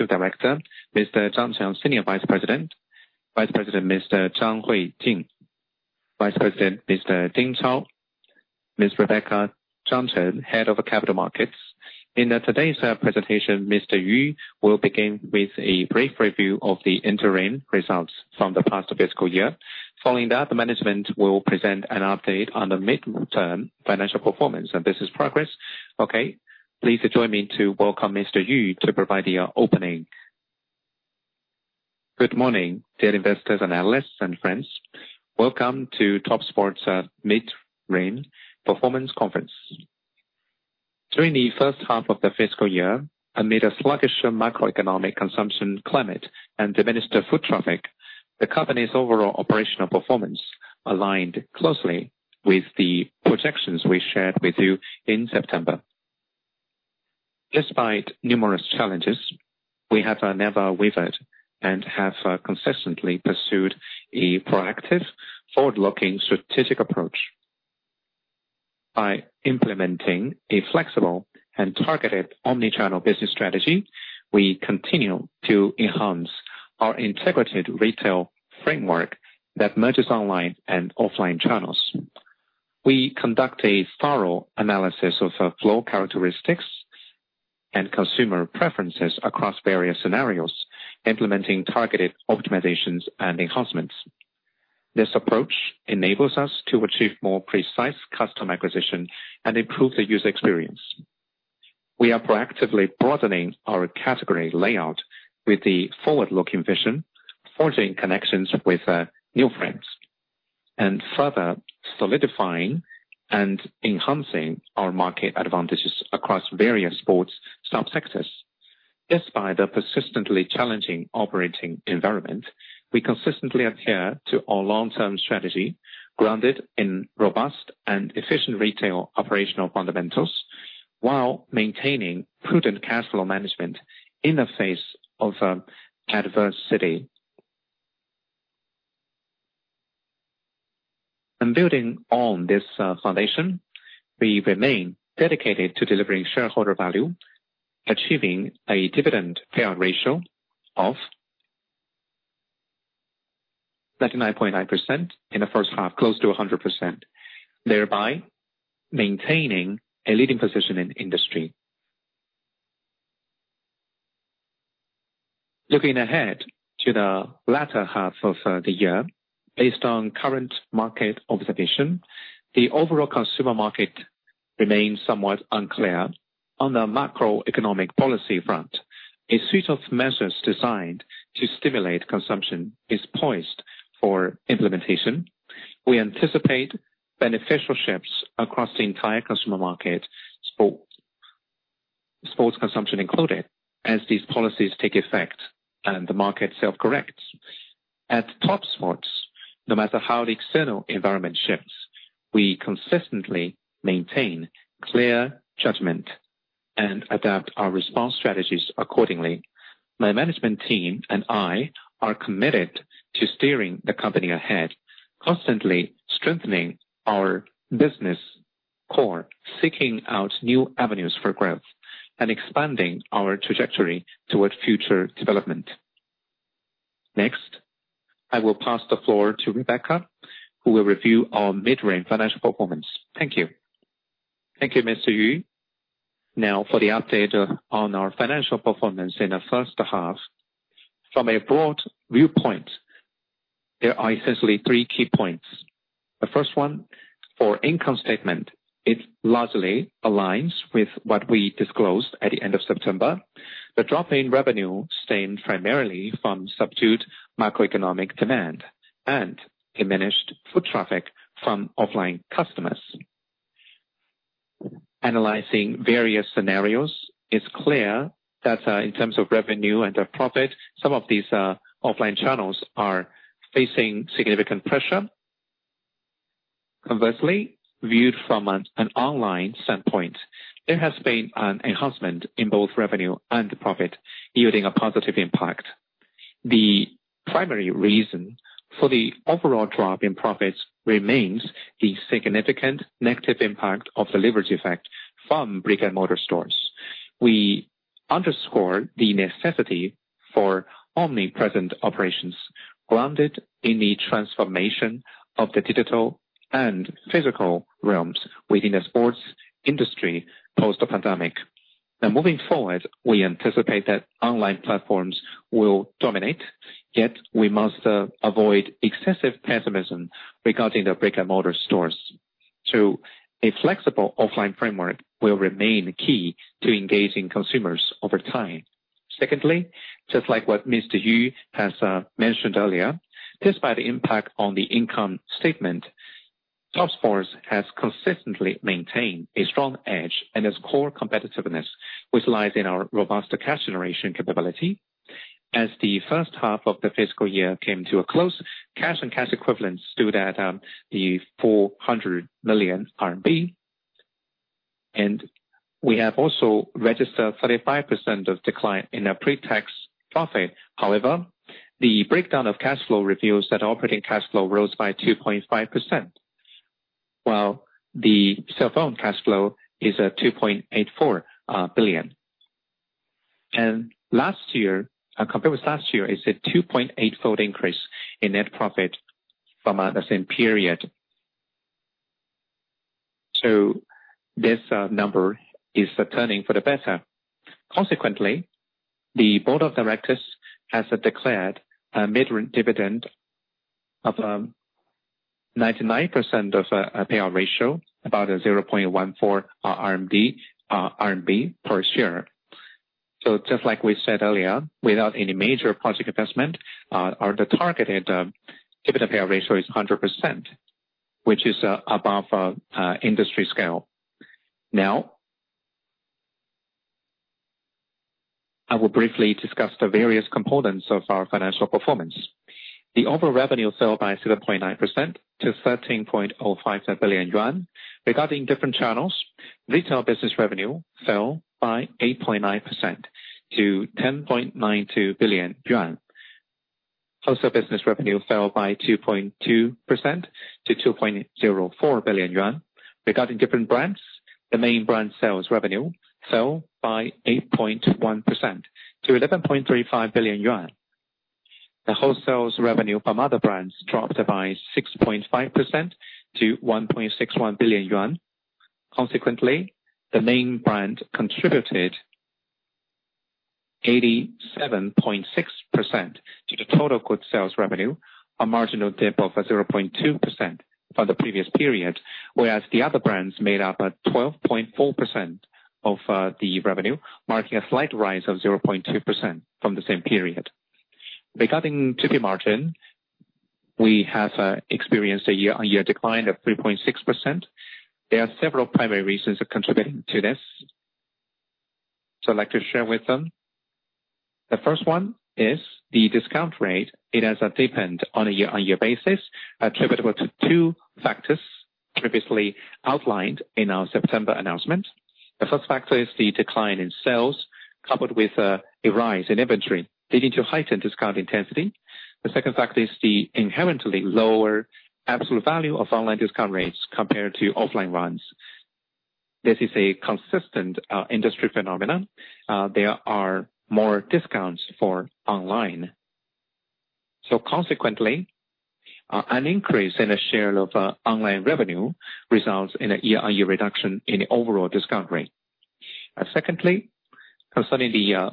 to director, Mr. Zhang Qiang, Senior Vice President. Vice President, Ms. Zhang Huijing. Vice President, Mr. Ding Chao. Ms. Rebecca Zhang, Head of Capital Markets. In today's presentation, Mr. Yu will begin with a brief review of the interim results from the past fiscal year. Following that, the management will present an update on the midterm financial performance and business progress. Okay, please join me to welcome Mr. Yu to provide the opening. Good morning, dear investors and analysts and friends. Welcome to Topsports' Mid-Term Performance Conference. During the first half of the fiscal year, amid a sluggish macroeconomic consumption climate and diminished foot traffic, the company's overall operational performance aligned closely with the projections we shared with you in September. Despite numerous challenges, we have never wavered and have consistently pursued a proactive, forward-looking strategic approach. By implementing a flexible and targeted omni-channel business strategy, we continue to enhance our integrated retail framework that merges online and offline channels. We conduct a thorough analysis of flow characteristics and consumer preferences across various scenarios, implementing targeted optimizations and enhancements. This approach enables us to achieve more precise customer acquisition and improve the user experience. We are proactively broadening our category layout with the forward-looking vision, forging connections with new friends, and further solidifying and enhancing our market advantages across various sports sub-sectors. Despite the persistently challenging operating environment, we consistently adhere to our long-term strategy, grounded in robust and efficient retail operational fundamentals, while maintaining prudent cash flow management in the face of adversity. And building on this foundation, we remain dedicated to delivering shareholder value, achieving a dividend payout ratio of 39.9% in the first half, close to 100%, thereby maintaining a leading position in industry. Looking ahead to the latter half of the year, based on current market observation, the overall consumer market remains somewhat unclear. On the macroeconomic policy front, a suite of measures designed to stimulate consumption is poised for implementation. We anticipate beneficial shifts across the entire consumer market, sports consumption included, as these policies take effect and the market self-corrects. At Topsports, no matter how the external environment shifts, we consistently maintain clear judgment and adapt our response strategies accordingly. My management team and I are committed to steering the company ahead, constantly strengthening our business core, seeking out new avenues for growth, and expanding our trajectory towards future development. Next, I will pass the floor to Rebecca, who will review our mid-term financial performance. Thank you. Thank you, Mr. Yu. Now, for the update on our financial performance in the first half. From a broad viewpoint, there are essentially three key points. The first one, for income statement, it largely aligns with what we disclosed at the end of September. The drop in revenue stemmed primarily from subdued macroeconomic demand and diminished foot traffic from offline customers. Analyzing various scenarios, it's clear that in terms of revenue and the profit, some of these offline channels are facing significant pressure. Conversely, viewed from an online standpoint, there has been an enhancement in both revenue and profit, yielding a positive impact. The primary reason for the overall drop in profits remains the significant negative impact of the leverage effect from brick-and-mortar stores. We underscore the necessity for omnichannel operations, grounded in the transformation of the digital and physical realms within the sports industry post-pandemic. And moving forward, we anticipate that online platforms will dominate, yet we must avoid excessive pessimism regarding the brick-and-mortar stores. So a flexible offline framework will remain key to engaging consumers over time. Secondly, just like what Mr. Yu has mentioned earlier, despite the impact on the income statement, Topsports has consistently maintained a strong edge and its core competitiveness, which lies in our robust cash generation capability. As the first half of the fiscal year came to a close, cash and cash equivalents stood at 400 million RMB, and we have also registered 35% decline in our pre-tax profit. However, the breakdown of cash flow reveals that operating cash flow rose by 2.5%.... The free cash flow is at 2.84 billion. And compared with last year, it's a 2.8-fold increase in net profit from the same period. So this number is turning for the better. Consequently, the board of directors has declared an interim dividend of 99% payout ratio, about 0.14 RMB per share. So just like we said earlier, without any major project investment, our targeted dividend payout ratio is 100%, which is above industry scale. Now, I will briefly discuss the various components of our financial performance. The overall revenue fell by 7.9% to 13.05 billion yuan. Regarding different channels, retail business revenue fell by 8.9% to 10.92 billion yuan. Wholesale business revenue fell by 2.2% to 2.04 billion yuan. Regarding different brands, the main brand sales revenue fell by 8.1% to 11.35 billion yuan. The wholesales revenue from other brands dropped by 6.5% to 1.61 billion yuan. Consequently, the main brand contributed 87.6% to the total good sales revenue, a marginal dip of a 0.2% from the previous period. Whereas the other brands made up 12.4% of the revenue, marking a slight rise of 0.2% from the same period. Regarding GP margin, we have experienced a year-on-year decline of 3.6%. There are several primary reasons contributing to this, so I'd like to share with them. The first one is the discount rate. It has deepened on a year-on-year basis, attributable to two factors previously outlined in our September announcement. The first factor is the decline in sales, coupled with a rise in inventory, leading to heightened discount intensity. The second factor is the inherently lower absolute value of online discount rates compared to offline ones. This is a consistent industry phenomenon. There are more discounts for online. So consequently, an increase in the share of online revenue results in a year-on-year reduction in overall discount rate. Secondly, concerning the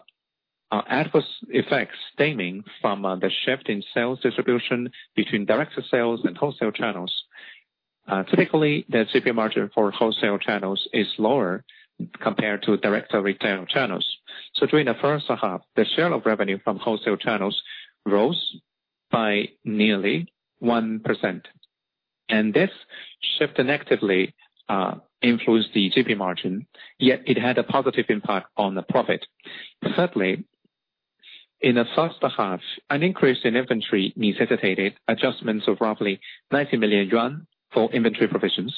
adverse effects stemming from the shift in sales distribution between direct to sales and wholesale channels. Typically, the GP margin for wholesale channels is lower compared to direct to retail channels. So during the first half, the share of revenue from wholesale channels rose by nearly 1%, and this shift negatively influenced the GP margin, yet it had a positive impact on the profit. Thirdly, in the first half, an increase in inventory necessitated adjustments of roughly 90 million yuan for inventory provisions.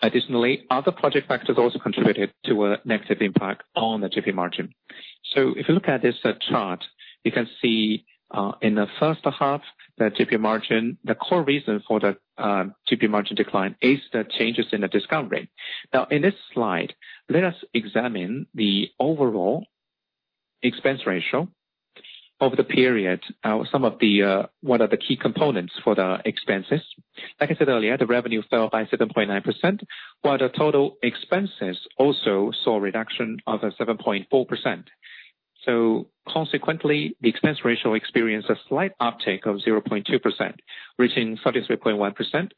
Additionally, other project factors also contributed to a negative impact on the GP margin. So if you look at this chart, you can see in the first half, the GP margin, the core reason for the GP margin decline is the changes in the discount rate. Now, in this slide, let us examine the overall expense ratio of the period. Some of the what are the key components for the expenses? Like I said earlier, the revenue fell by 7.9%, while the total expenses also saw a reduction of a 7.4%. So consequently, the expense ratio experienced a slight uptick of 0.2%, reaching 33.1%.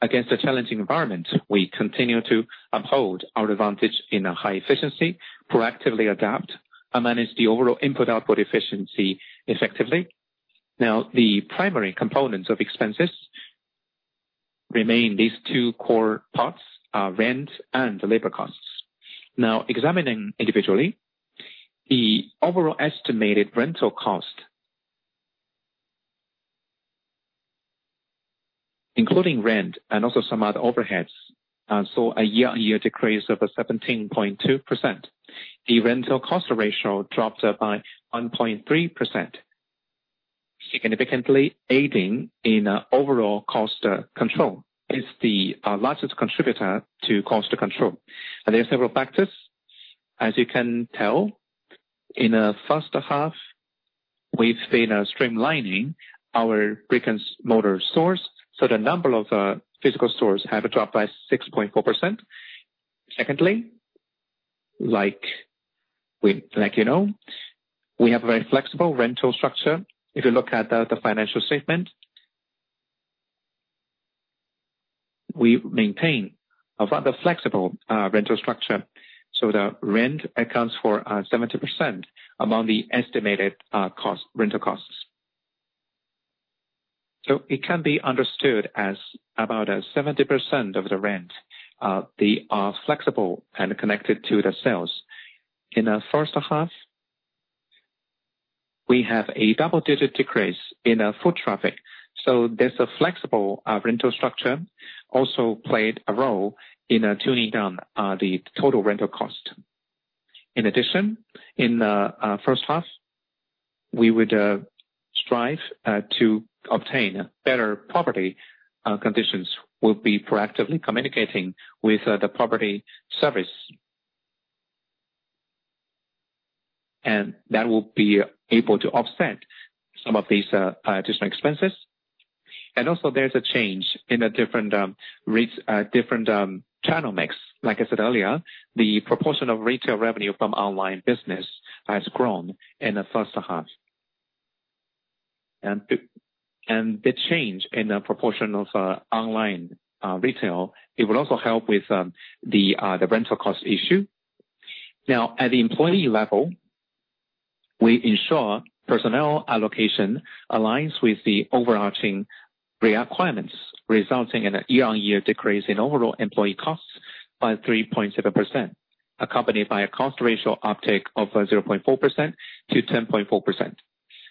Against a challenging environment, we continue to uphold our advantage in a high efficiency, proactively adapt, and manage the overall input-output efficiency effectively. Now, the primary components of expenses remain these two core parts, rent and labor costs. Now, examining individually, the overall estimated rental cost, including rent and also some other overheads, and saw a year-on-year decrease of 17.2%. The rental cost ratio dropped by 1.3%, significantly aiding in overall cost control. It's the largest contributor to cost control. There are several factors, as you can tell, in the first half. We've been streamlining our brick-and-mortar stores, so the number of physical stores have dropped by 6.4%. Secondly, like we, like, you know, we have a very flexible rental structure. If you look at the financial statement, we maintain a rather flexible rental structure, so the rent accounts for 70% among the estimated rental costs. So it can be understood as about 70% of the rent they are flexible and connected to the sales. In the first half, we have a double-digit decrease in foot traffic, so there's a flexible rental structure also played a role in tuning down the total rental cost. In addition, in the first half, we would strive to obtain better property conditions. We'll be proactively communicating with the property service, and that will be able to offset some of these additional expenses. And also there's a change in the different channel mix. Like I said earlier, the proportion of retail revenue from online business has grown in the first half. And the change in the proportion of online retail, it will also help with the rental cost issue. Now, at the employee level, we ensure personnel allocation aligns with the overarching requirements, resulting in a year-on-year decrease in overall employee costs by 3.7%, accompanied by a cost ratio uptick of 0.4% to 10.4%.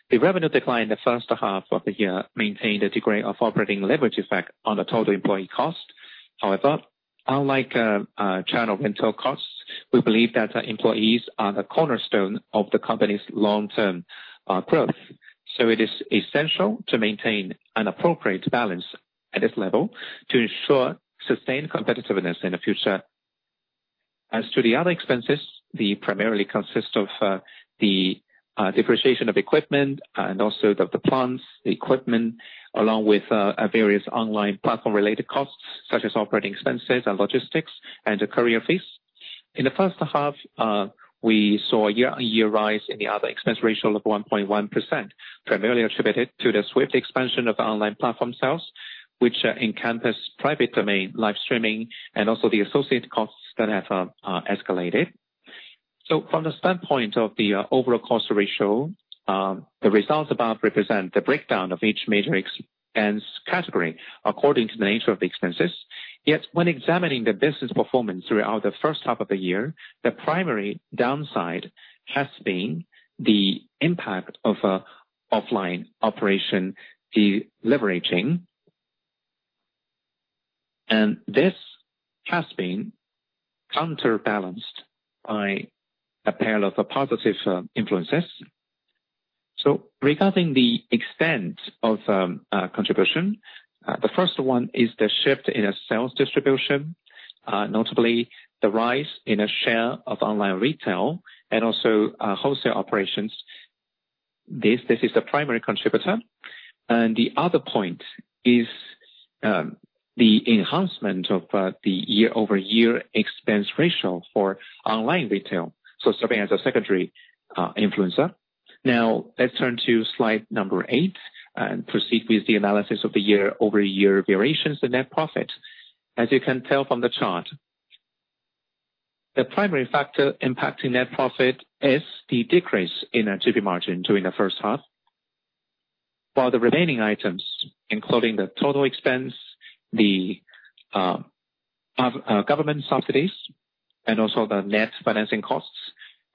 The revenue decline in the first half of the year maintained a degree of operating leverage effect on the total employee cost. However, unlike channel rental costs, we believe that our employees are the cornerstone of the company's long-term growth. So it is essential to maintain an appropriate balance at this level to ensure sustained competitiveness in the future. As to the other expenses, they primarily consist of the depreciation of equipment and also the plants and equipment, along with various online platform-related costs, such as operating expenses and logistics and the courier fees. In the first half, we saw a year-on-year rise in the other expense ratio of 1.1%, primarily attributed to the swift expansion of online platform sales, which encompass private domain, live streaming, and also the associated costs that have escalated. So from the standpoint of the overall cost ratio, the results above represent the breakdown of each major expense category according to the nature of the expenses. Yet, when examining the business performance throughout the first half of the year, the primary downside has been the impact of offline operation, the leveraging. And this has been counterbalanced by a pair of positive influences. So regarding the extent of contribution, the first one is the shift in the sales distribution, notably the rise in the share of online retail and also wholesale operations. This is the primary contributor. And the other point is, the enhancement of the year-over-year expense ratio for online retail, so serving as a secondary influencer. Now, let's turn to slide number eight and proceed with the analysis of the year-over-year variations in net profit. As you can tell from the chart, the primary factor impacting net profit is the decrease in our GP margin during the first half. While the remaining items, including the total expense, the government subsidies, and also the net financing costs,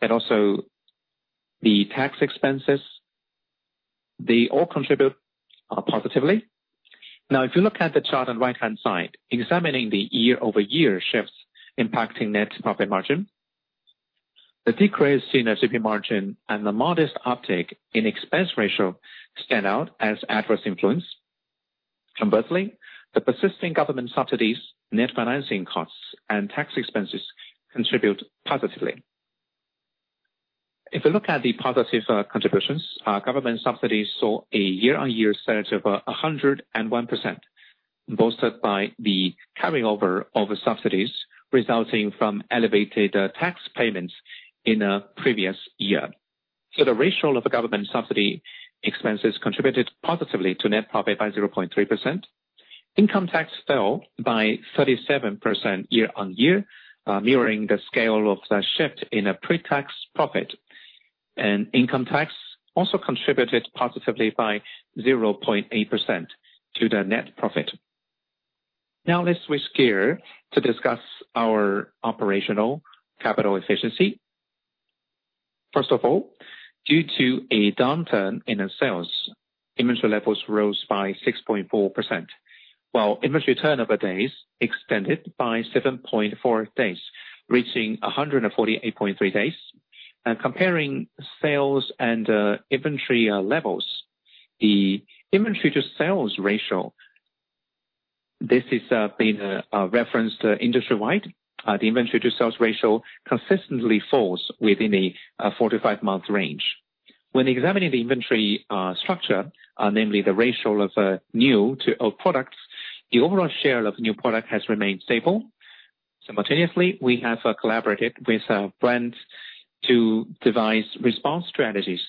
and also the tax expenses, they all contribute positively. Now, if you look at the chart on the right-hand side, examining the year-over-year shifts impacting net profit margin, the decrease in the GP margin and the modest uptick in expense ratio stand out as adverse influence. Conversely, the persisting government subsidies, net financing costs, and tax expenses contribute positively. If you look at the positive contributions, government subsidies saw a year-on-year surge of 101%, bolstered by the carrying over of the subsidies resulting from elevated tax payments in the previous year. The ratio of the government subsidy expenses contributed positively to net profit by 0.3%. Income tax fell by 37% year-on-year, mirroring the scale of the shift in a pre-tax profit. Income tax also contributed positively by 0.8% to the net profit. Now, let's switch gear to discuss our operational capital efficiency. First of all, due to a downturn in the sales, inventory levels rose by 6.4%, while inventory turnover days extended by 7.4 days, reaching 148.3 days. Comparing sales and inventory levels, the inventory-to-sales ratio has been referenced industry-wide. The inventory-to-sales ratio consistently falls within a four- to five-month range. When examining the inventory structure, namely the ratio of new to old products, the overall share of new product has remained stable. Simultaneously, we have collaborated with brands to devise response strategies,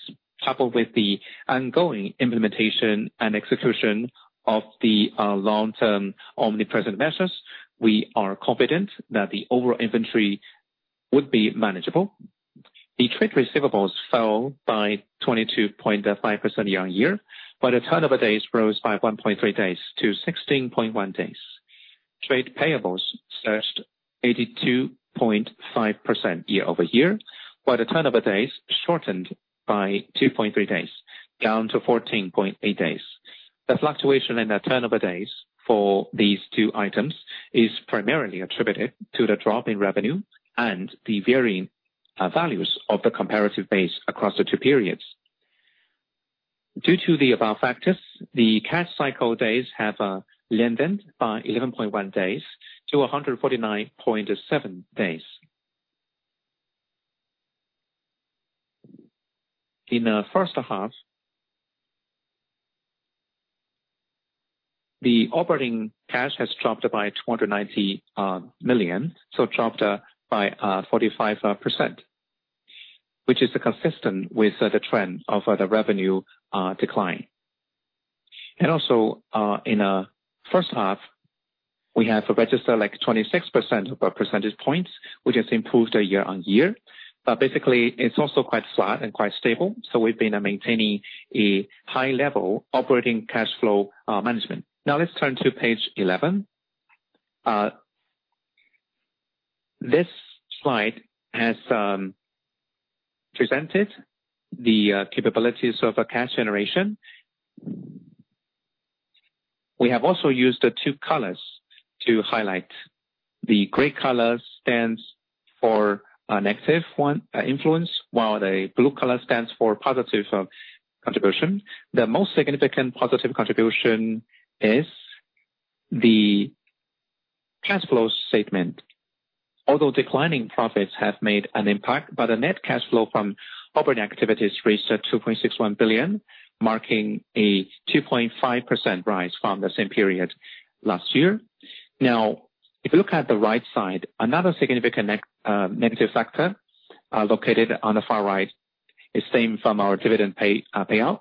coupled with the ongoing implementation and execution of the long-term omni-channel measures. We are confident that the overall inventory would be manageable. The trade receivables fell by 22.5% year-on-year, but the turnover days rose by 1.3 days to 16.1 days. Trade payables surged 82.5% year-over-year, but the turnover days shortened by 2.3 days, down to 14.8 days. The fluctuation in the turnover days for these two items is primarily attributed to the drop in revenue and the varying values of the comparative base across the two periods. Due to the above factors, the cash cycle days have lengthened by 11.1 days to 149.7 days. In the first half, the operating cash has dropped by 290 million, so dropped by 45%, which is consistent with the trend of the revenue decline. Also, in first half, we have registered like 26 percentage points, which has improved year on year. But basically, it's also quite flat and quite stable, so we've been maintaining a high level operating cash flow management. Now let's turn to page 11. This slide has presented the capabilities of a cash generation. We have also used the two colors to highlight. The gray color stands for a negative one, influence, while the blue color stands for positive, contribution. The most significant positive contribution is the cash flow statement. Although declining profits have made an impact, but the net cash flow from operating activities reached 2.61 billion, marking a 2.5% rise from the same period last year. Now, if you look at the right side, another significant negative factor, located on the far right, is same from our dividend pay, payout.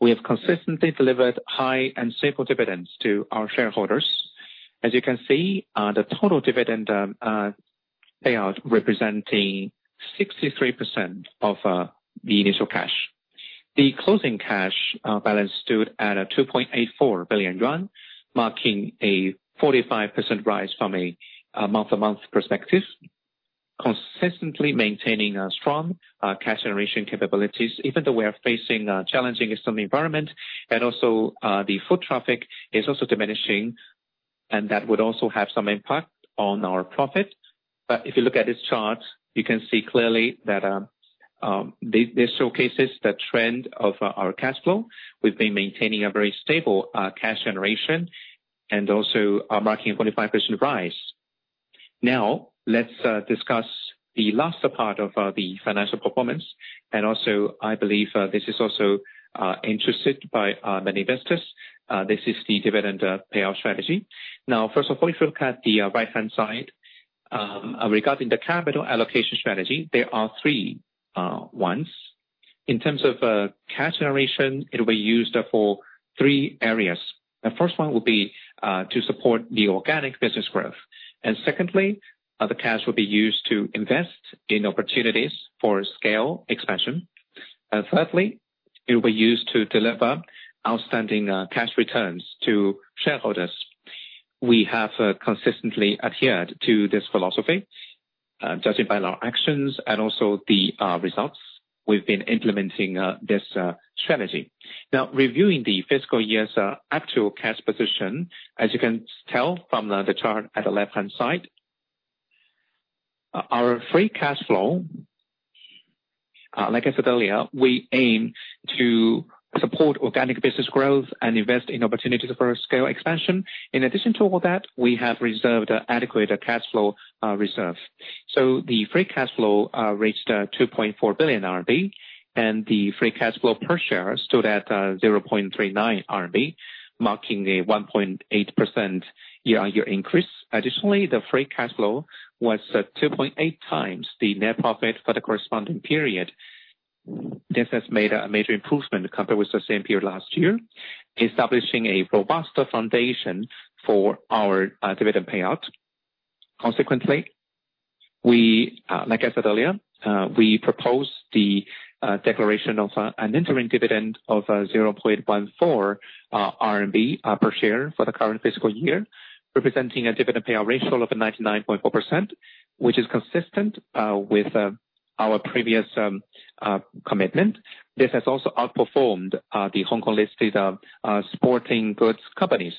We have consistently delivered high and stable dividends to our shareholders. As you can see, the total dividend, payout representing 63% of, the initial cash. The closing cash balance stood at 2.84 billion yuan, marking a 45% rise from a month-to-month perspective, consistently maintaining a strong cash generation capabilities, even though we are facing a challenging economic environment, and also the foot traffic is also diminishing, and that would also have some impact on our profit, but if you look at this chart, you can see clearly that this showcases the trend of our cash flow. We've been maintaining a very stable cash generation and also marking a 45% rise. Now, let's discuss the last part of the financial performance, and also I believe this is also interested by many investors. This is the dividend payout strategy. Now, first of all, if you look at the right-hand side, regarding the capital allocation strategy, there are three ones. In terms of cash generation, it will be used for three areas. The first one will be to support the organic business growth. And secondly, the cash will be used to invest in opportunities for scale expansion. And thirdly, it will be used to deliver outstanding cash returns to shareholders. We have consistently adhered to this philosophy, judging by our actions and also the results. We've been implementing this strategy. Now, reviewing the fiscal year's actual cash position, as you can tell from the chart at the left-hand side, our free cash flow, like I said earlier, we aim to support organic business growth and invest in opportunities for scale expansion. In addition to all that, we have reserved adequate cash flow reserve. So the free cash flow reached 2.4 billion RMB, and the free cash flow per share stood at 0.39 RMB, marking a 1.8% year-on-year increase. Additionally, the free cash flow was 2.8x the net profit for the corresponding period. This has made a major improvement compared with the same period last year, establishing a robust foundation for our dividend payout. Consequently, we, like I said earlier, we propose the declaration of an interim dividend of 0.14 RMB per share for the current fiscal year, representing a dividend payout ratio of 99.4%, which is consistent with our previous commitment. This has also outperformed the Hong Kong-listed sporting goods companies.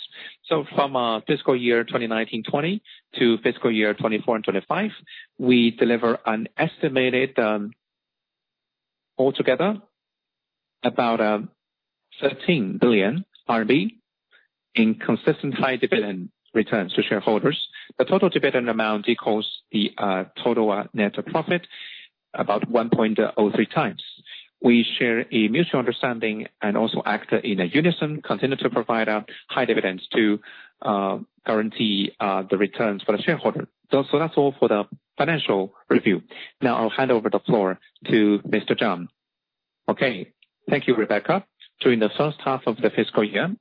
So from fiscal year 2019-20 to fiscal year 2024-25, we deliver an estimated altogether about 13 billion RMB in consistent high dividend returns to shareholders. The total dividend amount equals the total net profit, about 1.03x. We share a mutual understanding and also act in unison, continue to provide high dividends to guarantee the returns for the shareholder. So that's all for the financial review. Now I'll hand over the floor to Mr. Zhang. Okay. Thank you, Rebecca. During the first half of the fiscal year,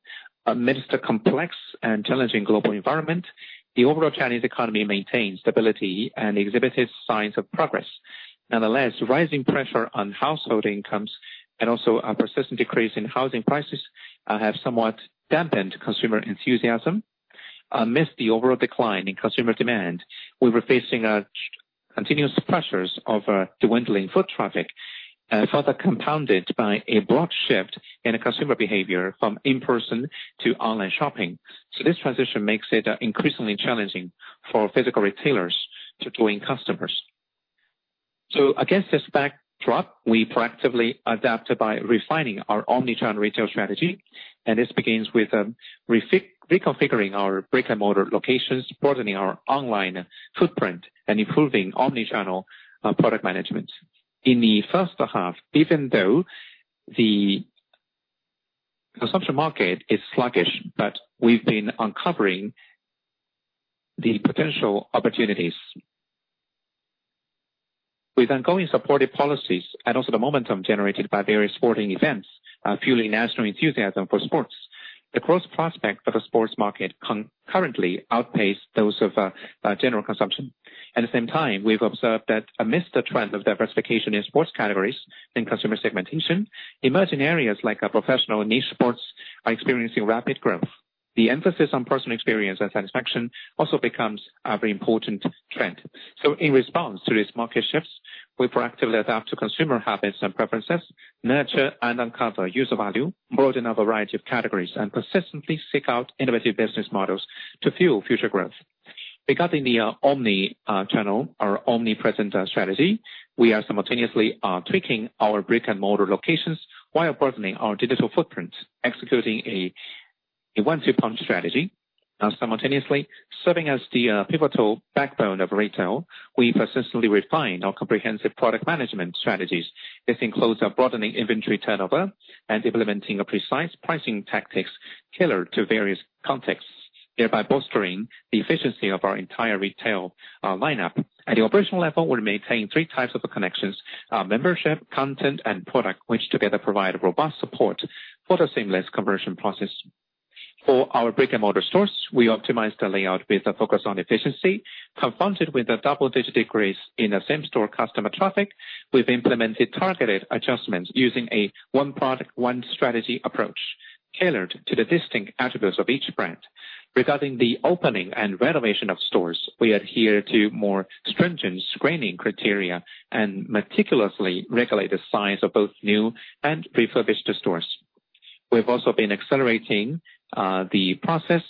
amidst a complex and challenging global environment, the overall Chinese economy maintained stability and exhibited signs of progress. Nonetheless, rising pressure on household incomes and also a persistent decrease in housing prices have somewhat dampened consumer enthusiasm. Amidst the overall decline in consumer demand, we were facing continuous pressures of dwindling foot traffic, further compounded by a broad shift in consumer behavior from in-person to online shopping. So this transition makes it increasingly challenging for physical retailers to join customers. So against this backdrop, we proactively adapted by refining our omnichannel retail strategy, and this begins with reconfiguring our brick-and-mortar locations, broadening our online footprint, and improving omnichannel product management. In the first half, even though the consumption market is sluggish, but we've been uncovering the potential opportunities. With ongoing supportive policies and also the momentum generated by various sporting events, fueling national enthusiasm for sports, the growth prospect of the sports market concurrently outpaced those of general consumption. At the same time, we've observed that amidst the trend of diversification in sports categories and customer segmentation, emerging areas like professional niche sports are experiencing rapid growth. The emphasis on personal experience and satisfaction also becomes a very important trend. So in response to these market shifts, we proactively adapt to consumer habits and preferences, nurture and uncover user value, broaden our variety of categories, and persistently seek out innovative business models to fuel future growth. Regarding the omni-channel, our omnipresent strategy, we are simultaneously tweaking our brick-and-mortar locations while broadening our digital footprint, executing a one-two punch strategy. Simultaneously, serving as the pivotal backbone of retail, we persistently refine our comprehensive product management strategies. This includes a broadening inventory turnover and implementing a precise pricing tactics tailored to various contexts, thereby bolstering the efficiency of our entire retail lineup. At the operational level, we maintain three types of connections: membership, content, and product, which together provide robust support for the seamless conversion process. For our brick-and-mortar stores, we optimize the layout with a focus on efficiency. Confronted with a double-digit decrease in the same-store customer traffic, we've implemented targeted adjustments using a one product, one strategy approach, tailored to the distinct attributes of each brand. Regarding the opening and renovation of stores, we adhere to more stringent screening criteria and meticulously regulate the size of both new and refurbished stores. We've also been accelerating the process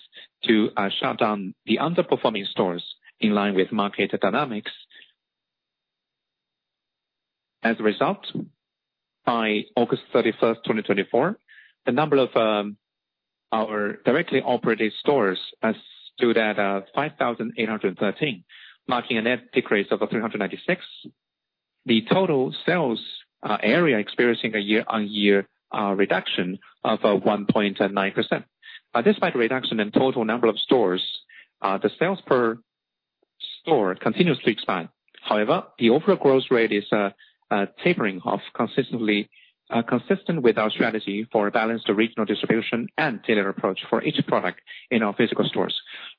to shut down the underperforming stores in line with market dynamics. As a result, by August 31, 2024, the number of our directly operated stores has stood at 5,813, marking a net decrease of 396. The total sales area experiencing a year-on-year reduction of 1.9%. Despite the reduction in total number of stores, the sales per store continues to expand. However, the overall growth rate is tapering off consistently, consistent with our strategy for balanced regional distribution and tailored approach for each product in our physical stores.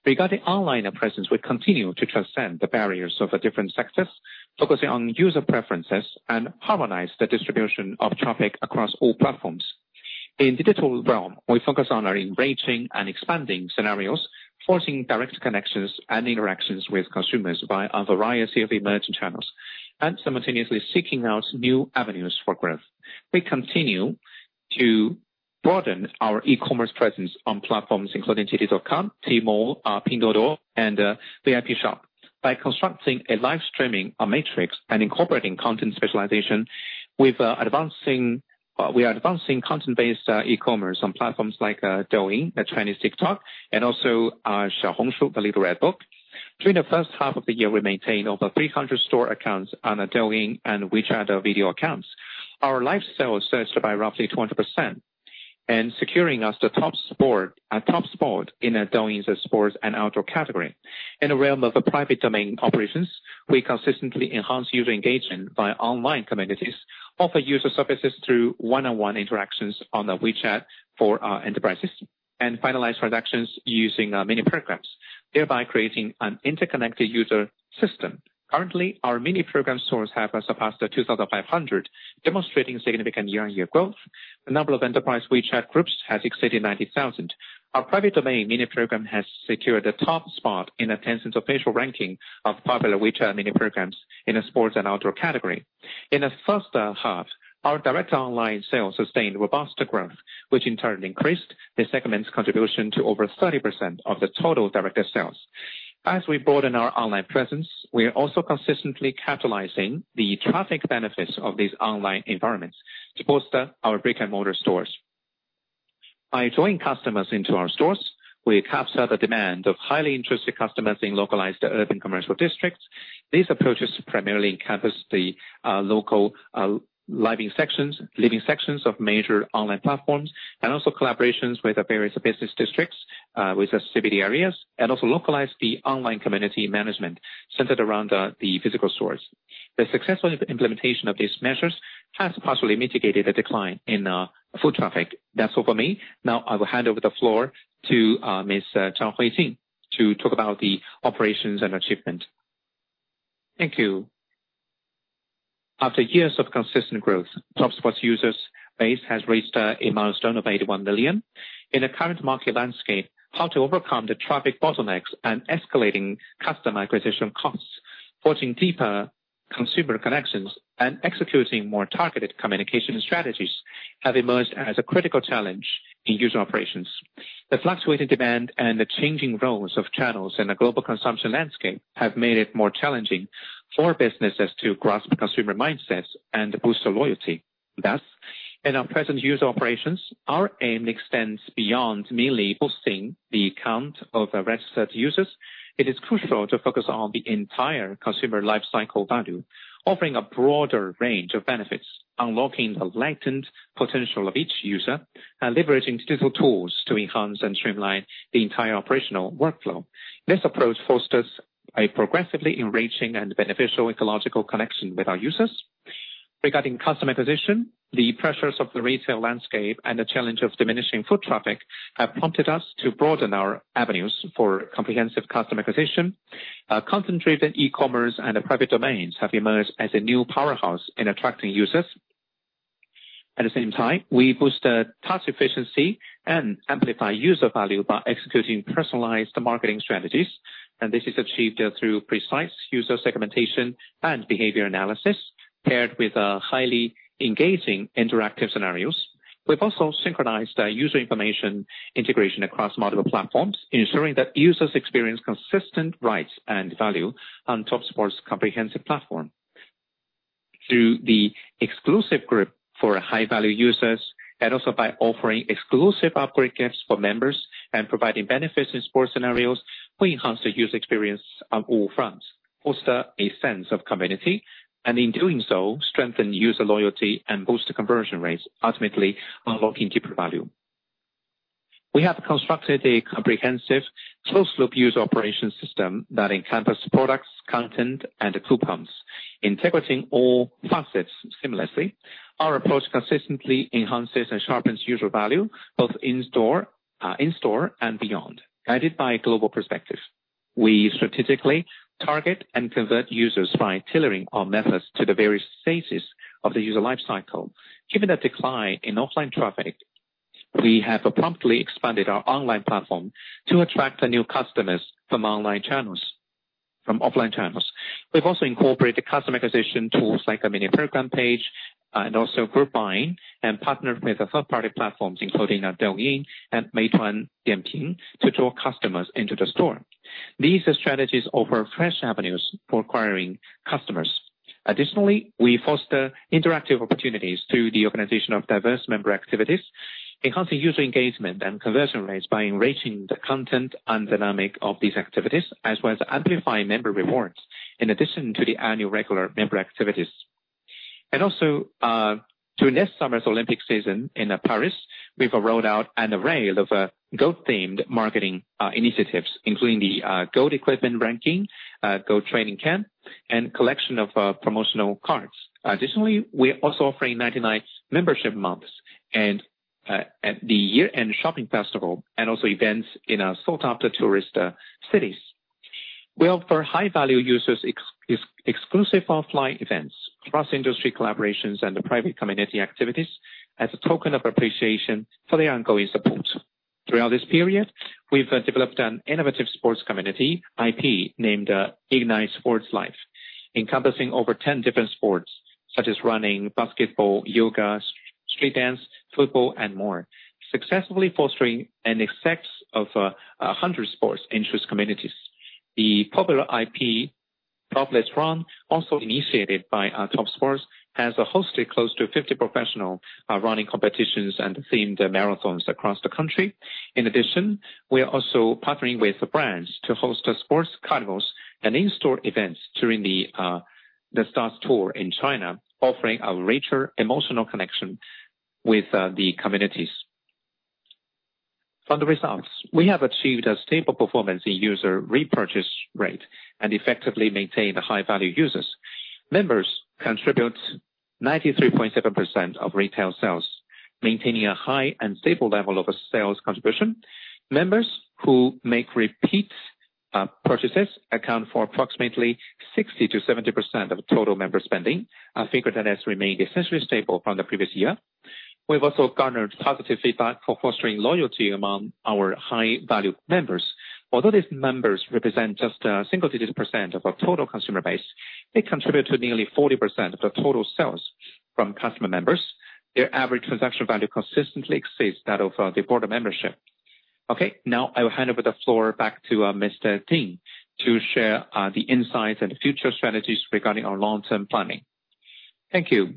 Regarding online presence, we continue to transcend the barriers of the different sectors, focusing on user preferences, and harmonize the distribution of traffic across all platforms. In the digital realm, we focus on enriching and expanding scenarios, forging direct connections and interactions with consumers via a variety of emerging channels, and simultaneously seeking out new avenues for growth. We continue to broaden our e-commerce presence on platforms including JD.com, Tmall, Pinduoduo, and Vipshop. By constructing a live streaming matrix and incorporating content specialization, we are advancing content-based e-commerce on platforms like Douyin, the Chinese TikTok, and also Xiaohongshu, the Little Red Book. During the first half of the year, we maintained over 300 store accounts on the Douyin and WeChat video accounts. Our live sales surged by roughly 20%, and securing us the top spot in Douyin's sports and outdoor category. In the realm of the private domain operations, we consistently enhance user engagement by online communities, offer user services through one-on-one interactions on the WeChat for enterprises, and finalize transactions using Mini Program, thereby creating an interconnected user system. Currently, our Mini Program stores have surpassed 2,500, demonstrating significant year-on-year growth. The number of enterprise WeChat groups has exceeded 90,000. Our private domain Mini Program has secured the top spot in the Tencent official ranking of popular WeChat Mini Programs in a sports and outdoor category. In the first half, our direct online sales sustained robust growth, which in turn increased the segment's contribution to over 30% of the total direct sales. As we broaden our online presence, we are also consistently capitalizing the traffic benefits of these online environments to bolster our brick-and-mortar stores. By drawing customers into our stores, we capture the demand of highly interested customers in localized urban commercial districts. These approaches primarily encompass the local living sections of major online platforms, and also collaborations with the various business districts with the CBD areas, and also localize the online community management centered around the physical stores. The successful implementation of these measures has possibly mitigated a decline in foot traffic. That's all for me. Now I will hand over the floor to Miss Zhang Huijing, to talk about the operations and achievement. Thank you. After years of consistent growth, Topsports' user base has reached a milestone of eighty-one million. In the current market landscape, how to overcome the traffic bottlenecks and escalating customer acquisition costs, forging deeper consumer connections, and executing more targeted communication strategies, have emerged as a critical challenge in user operations. The fluctuating demand and the changing roles of channels in the global consumption landscape have made it more challenging for businesses to grasp consumer mindsets and boost their loyalty. Thus, in our present user operations, our aim extends beyond merely boosting the count of registered users. It is crucial to focus on the entire consumer life cycle value, offering a broader range of benefits, unlocking the latent potential of each user, and leveraging digital tools to enhance and streamline the entire operational workflow. This approach fosters a progressively enriching and beneficial ecological connection with our users. Regarding customer acquisition, the pressures of the retail landscape and the challenge of diminishing foot traffic, have prompted us to broaden our avenues for comprehensive customer acquisition. Concentrated e-commerce and private domains have emerged as a new powerhouse in attracting users. At the same time, we boost, task efficiency and amplify user value by executing personalized marketing strategies, and this is achieved, through precise user segmentation and behavior analysis, paired with, highly engaging interactive scenarios. We've also synchronized, user information integration across multiple platforms, ensuring that users experience consistent rights and value on Topsports' comprehensive platform. Through the exclusive group for high-value users, and also by offering exclusive upgrade gifts for members, and providing benefits in sports scenarios, we enhance the user experience on all fronts, foster a sense of community, and in doing so, strengthen user loyalty and boost the conversion rates, ultimately unlocking deeper value. We have constructed a comprehensive closed-loop user operation system that encompass products, content, and coupons, integrating all facets seamlessly. Our approach consistently enhances and sharpens user value, both in store and beyond. Guided by a global perspective, we strategically target and convert users by tailoring our methods to the various phases of the user life cycle. Given the decline in offline traffic, we have promptly expanded our online platform to attract the new customers from offline channels. We've also incorporated customer acquisition tools like a Mini Program page, and also group buying, and partnered with the third-party platforms, including Douyin and Meituan Dianping, to draw customers into the store. These strategies offer fresh avenues for acquiring customers. Additionally, we foster interactive opportunities through the organization of diverse member activities, enhancing user engagement and conversion rates by enriching the content and dynamic of these activities, as well as amplifying member rewards, in addition to the annual regular member activities, and also to next summer's Olympic season in Paris, we've rolled out an array of gold-themed marketing initiatives, including the Gold Equipment Ranking, Gold Training Camp, and collection of promotional cards. Additionally, we're also offering 9.9 Membership Month and at the year-end shopping festival, and also events in sought-after tourist cities. We offer high-value users exclusive offline events, cross-industry collaborations, and the private community activities as a token of appreciation for their ongoing support. Throughout this period, we've developed an innovative sports community IP named Ignite Sports Life, encompassing over 10 different sports, such as running, basketball, yoga, street dance, football, and more, successfully fostering an excess of 100 sports interest communities. The popular IP TOP Let's Run, also initiated by Topsports, has hosted close to 50 professional running competitions and themed marathons across the country. In addition, we are also partnering with the brands to host the sports carnivals and in-store events during the Stars Tour in China, offering a richer emotional connection with the communities. From the results, we have achieved a stable performance in user repurchase rate and effectively maintained the high-value users. Members contribute 93.7% of retail sales, maintaining a high and stable level of sales contribution. Members who make repeat purchases account for approximately 60%-70% of total member spending, a figure that has remained essentially stable from the previous year. We've also garnered positive feedback for fostering loyalty among our high-value members. Although these members represent just a single digits % of our total consumer base, they contribute to nearly 40% of the total sales from customer members. Their average transaction value consistently exceeds that of the broader membership. Okay, now I will hand over the floor back to Mr. Ding, to share the insights and future strategies regarding our long-term planning. Thank you.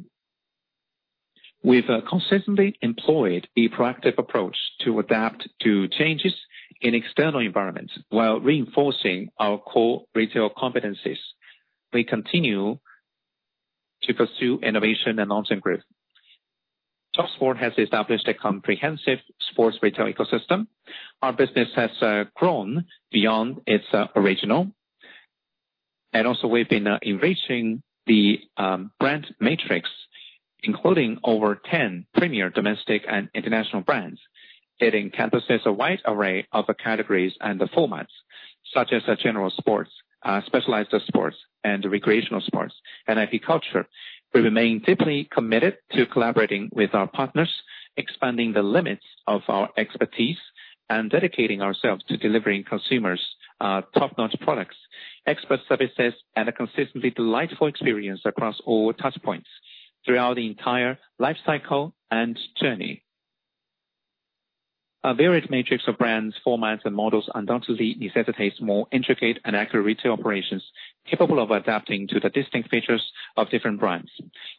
We've consistently employed a proactive approach to adapt to changes in external environments, while reinforcing our core retail competencies. We continue to pursue innovation and long-term growth. Topsports has established a comprehensive sports retail ecosystem. Our business has grown beyond its original, and also we've been enriching the brand matrix, including over ten premier domestic and international brands, hitting campuses, a wide array of categories and the formats, such as the general sports, specialized sports and recreational sports, and IP culture. We remain deeply committed to collaborating with our partners, expanding the limits of our expertise, and dedicating ourselves to delivering consumers, top-notch products, expert services, and a consistently delightful experience across all touch points throughout the entire life cycle and journey. Our varied matrix of brands, formats, and models undoubtedly necessitates more intricate and accurate retail operations, capable of adapting to the distinct features of different brands.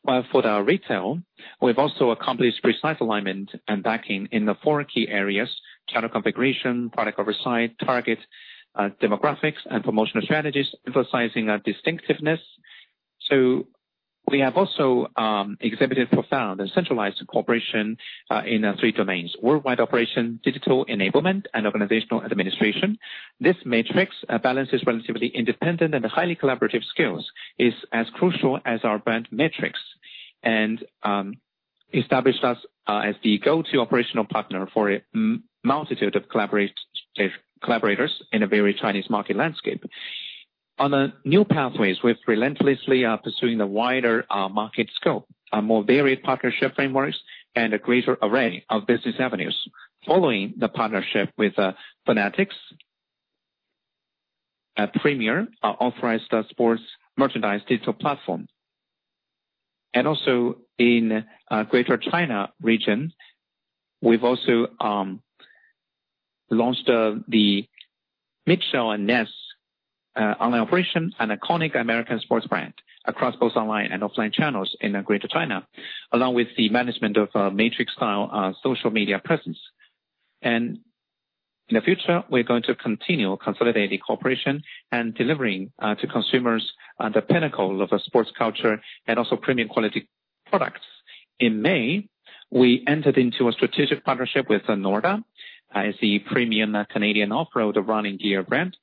But for the retail, we've also accomplished precise alignment and backing in the four key areas: counter configuration, product oversight, target demographics, and promotional strategies, emphasizing our distinctiveness. So we have also exhibited profound and centralized cooperation in three domains: worldwide operation, digital enablement, and organizational administration. This matrix balances relatively independent and highly collaborative skills, is as crucial as our brand metrics, and established us as the go-to operational partner for a multitude of collaborators in a very Chinese market landscape. On the new pathways, we're relentlessly pursuing the wider market scope, a more varied partnership frameworks, and a greater array of business avenues. Following the partnership with Fanatics, a premier authorized sports merchandise digital platform. And also in Greater China region, we've also launched the Mitchell & Ness online operation, an iconic American sports brand, across both online and offline channels in the Greater China, along with the management of matrix style social media presence. And in the future, we're going to continue consolidating cooperation and delivering to consumers the pinnacle of a sports culture and also premium quality products. In May, we entered into a strategic partnership with norda as the premium Canadian off-road running gear brand,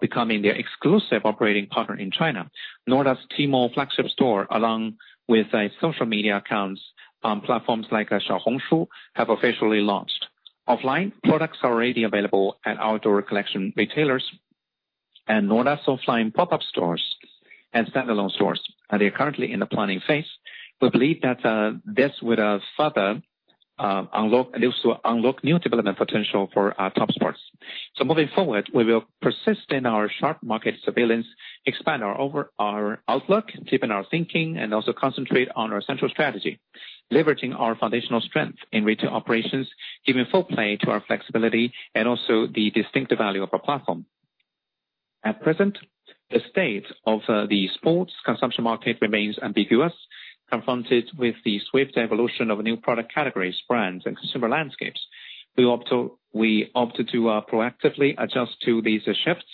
becoming their exclusive operating partner in China. norda's Tmall flagship store, along with social media accounts on platforms like Xiaohongshu, have officially launched. Offline products are already available at outdoor collection retailers and norda's offline pop-up stores and standalone stores, and they are currently in the planning phase. We believe that this would further unlock and also unlock new development potential for Topsports. So moving forward, we will persist in our sharp market surveillance, expand our outlook, deepen our thinking, and also concentrate on our central strategy, leveraging our foundational strength in retail operations, giving full play to our flexibility, and also the distinctive value of our platform. At present, the state of the sports consumption market remains ambiguous, confronted with the swift evolution of new product categories, brands, and consumer landscapes. We opt to proactively adjust to these shifts.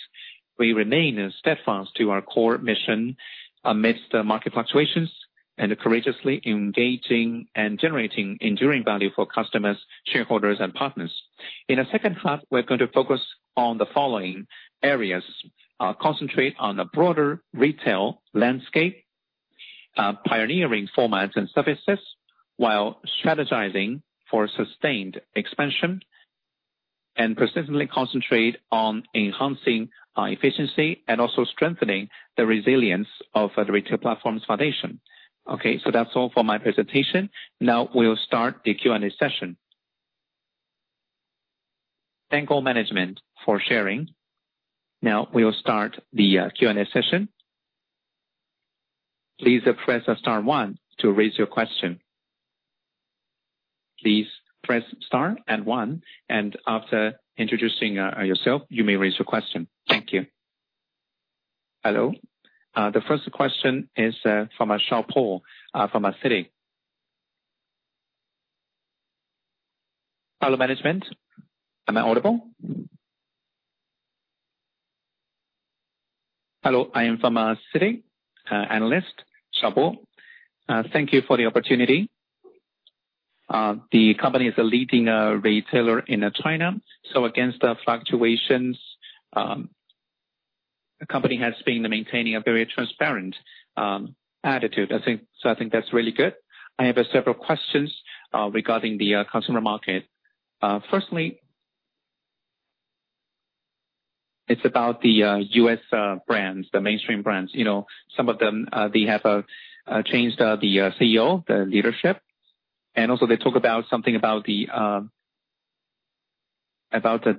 We remain steadfast to our core mission amidst the market fluctuations, and courageously engaging and generating enduring value for customers, shareholders, and partners. In the second half, we're going to focus on the following areas: concentrate on the broader retail landscape, pioneering formats and services, while strategizing for sustained expansion, and persistently concentrate on enhancing, efficiency and also strengthening the resilience of the retail platform's foundation. Okay, so that's all for my presentation. Now we'll start the Q&A session. Thank all management for sharing. Now we will start the Q&A session. Please press star one to raise your question. Please press star and one, and after introducing yourself, you may raise your question. Thank you. Hello, the first question is from Shaobo from CITIC. Hello, management. Am I audible? Hello, I am from CITIC, analyst Shaobo. Thank you for the opportunity. The company is a leading retailer in China, so against the fluctuations, the company has been maintaining a very transparent attitude. I think, so I think that's really good. I have several questions regarding the consumer market. Firstly, it's about the U.S. brands, the mainstream brands. You know, some of them they have changed the CEO, the leadership, and also they talk about something about the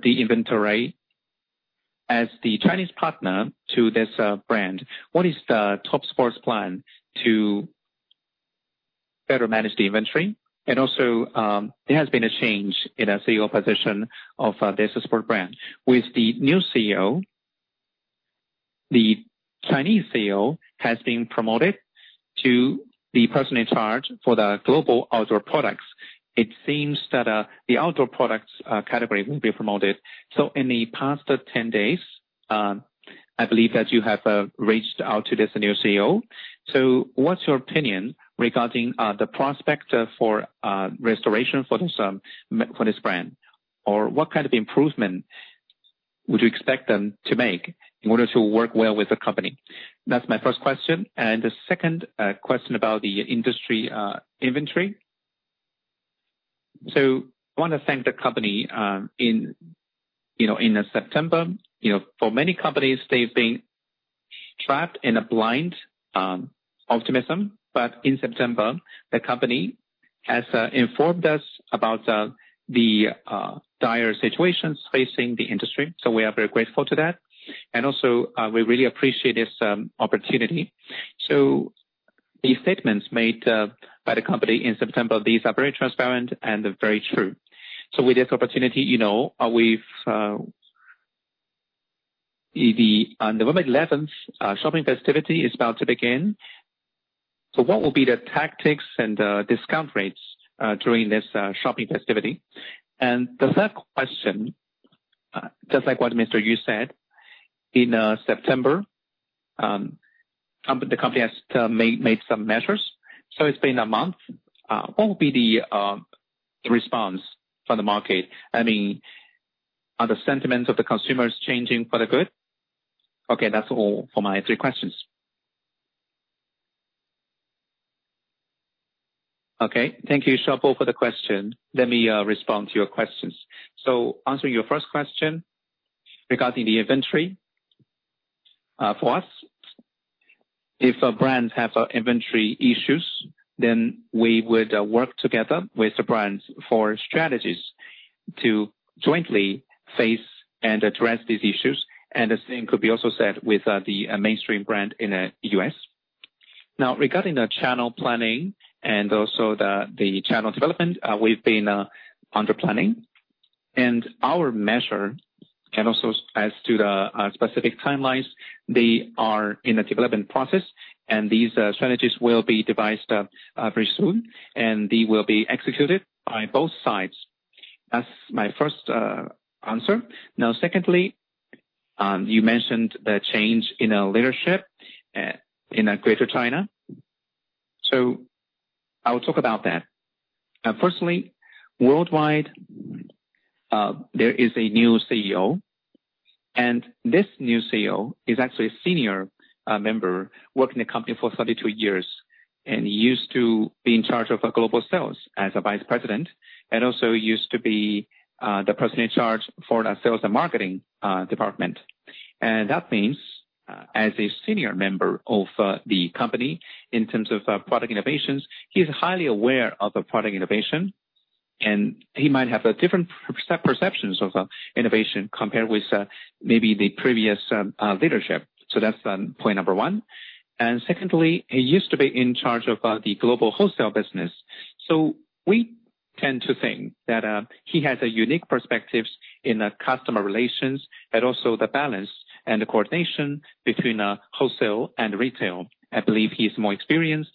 inventory. As the Chinese partner to this brand, what is the Topsports plan to better manage the inventory? And also, there has been a change in the CEO position of this sport brand. With the new CEO, the Chinese CEO has been promoted to the person in charge for the global outdoor products. It seems that the outdoor products category will be promoted. So in the past ten days, I believe that you have reached out to this new CEO. So what's your opinion regarding the prospect for restoration for this brand? Or what kind of improvement would you expect them to make in order to work well with the company? That's my first question. And the second question about the industry inventory. So I wanna thank the company in, you know, in September. You know, for many companies, they've been trapped in a blind optimism, but in September, the company has informed us about the dire situations facing the industry, so we are very grateful to that. And also, we really appreciate this opportunity. So the statements made by the company in September, these are very transparent, and they're very true. So with this opportunity, you know, on November eleventh, shopping festivity is about to begin. So what will be the tactics and discount rates during this shopping festivity? And the third question, just like what Mr. Yu said, in September, the company has made some measures, so it's been a month. What will be the response from the market? I mean, are the sentiments of the consumers changing for the good? Okay, that's all for my three questions. Okay. Thank you, Shaobo, for the question. Let me respond to your questions. So answering your first question regarding the inventory. For us, if a brand have inventory issues, then we would work together with the brands for strategies to jointly face and address these issues, and the same could be also said with the mainstream brand in U.S. Now, regarding the channel planning and also the channel development, we've been under planning, and our measure can also. As to the specific timelines, they are in the development process, and these strategies will be devised very soon, and they will be executed by both sides. That's my first answer. Now, secondly, you mentioned the change in our leadership in Greater China, so I will talk about that. Firstly, worldwide, there is a new CEO, and this new CEO is actually a senior member worked in the company for thirty-two years, and he used to be in charge of global sales as a vice president, and also used to be the person in charge for the sales and marketing department, and that means as a senior member of the company in terms of product innovations, he's highly aware of the product innovation, and he might have a different perceptions of innovation compared with maybe the previous leadership, so that's point number one, and secondly, he used to be in charge of the global wholesale business. So we tend to think that he has a unique perspectives in the customer relations, but also the balance and the coordination between wholesale and retail. I believe he's more experienced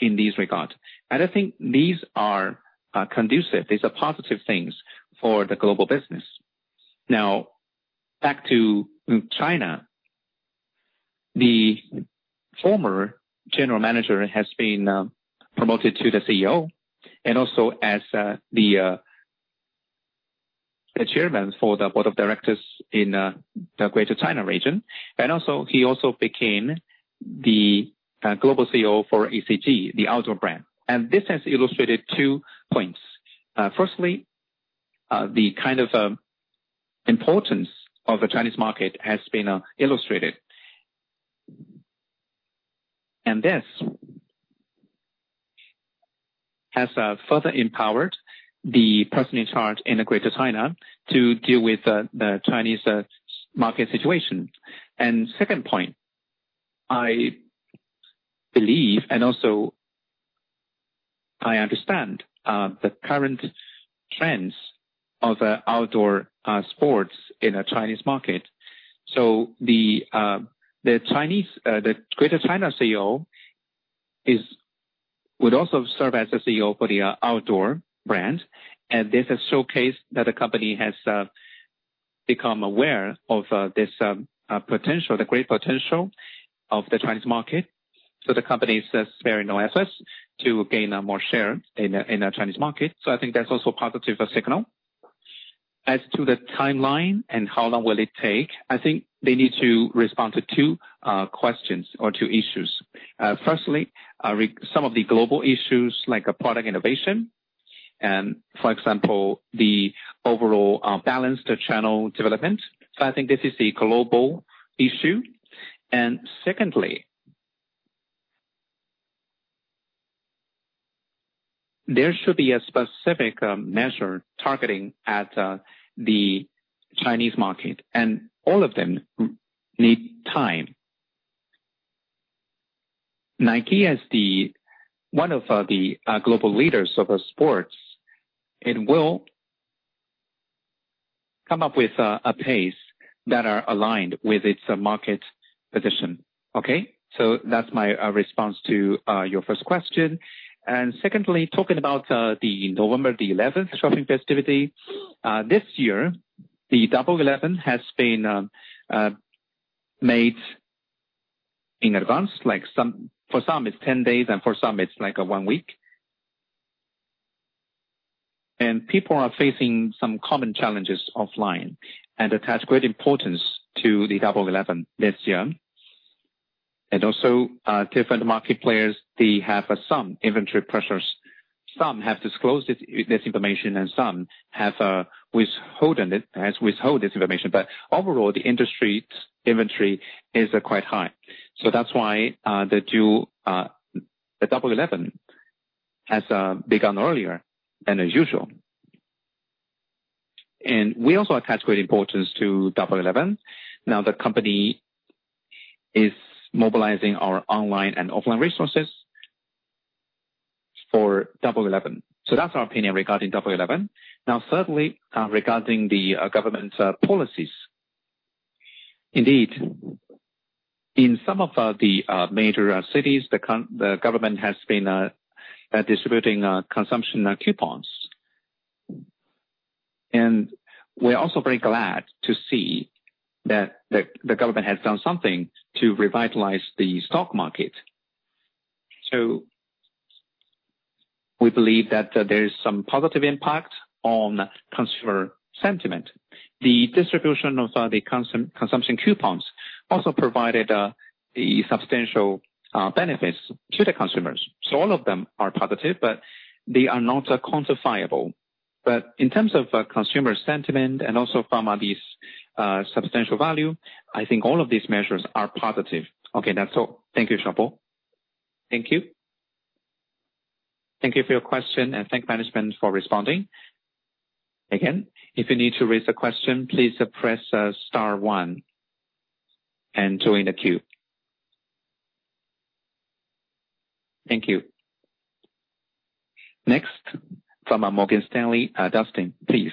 in these regards. And I think these are conducive. These are positive things for the global business. Now, back to China. The former general manager has been promoted to the CEO, and also as the chairman for the board of directors in the Greater China region. And also, he also became the global CEO for ACG, the outdoor brand. And this has illustrated two points. Firstly, the kind of importance of the Chinese market has been illustrated. And this has further empowered the person in charge in the Greater China to deal with the Chinese market situation. And second point, I believe, and also I understand the current trends of outdoor sports in the Chinese market. So the Greater China CEO would also serve as the CEO for the outdoor brand, and this has showcased that the company has become aware of this potential, the great potential of the Chinese market. So the company is sparing no efforts to gain more share in the Chinese market. So I think that's also a positive signal. As to the timeline and how long will it take, I think they need to respond to two questions or two issues. Firstly, some of the global issues like product innovation, and for example, the overall balance, the channel development. So I think this is a global issue. And secondly, there should be a specific measure targeting at the Chinese market, and all of them need time. Nike, as the one of the global leaders of sports, it will come up with a pace that are aligned with its market position. Okay? So that's my response to your first question. And secondly, talking about the November the eleventh shopping festivity, this year, the 11.11 has been made in advance, like some, for some it's ten days, and for some it's like one week. And people are facing some common challenges offline, and attach great importance to the 11.11 this year. And also, different market players, they have some inventory pressures. Some have disclosed this information, and some have withholden it, has withheld this information. But overall, the industry's inventory is quite high. So that's why the 11.11 has begun earlier than usual. We also attach great importance to 11.11. Now, the company is mobilizing our online and offline resources for 11.11. So that's our opinion regarding 11.11. Now, certainly, regarding the government's policies, indeed, in some of the major cities, the government has been distributing consumption coupons. We're also very glad to see that the government has done something to revitalize the stock market. So we believe that there is some positive impact on consumer sentiment. The distribution of the consumption coupons also provided a substantial benefits to the consumers. So all of them are positive, but they are not quantifiable. But in terms of consumer sentiment and also from these substantial value, I think all of these measures are positive. Okay. That's all. Thank you, Shao. Thank you. Thank you for your question, and thank management for responding. Again, if you need to raise a question, please press star one and join the queue. Thank you. Next, from Morgan Stanley, Dustin, please.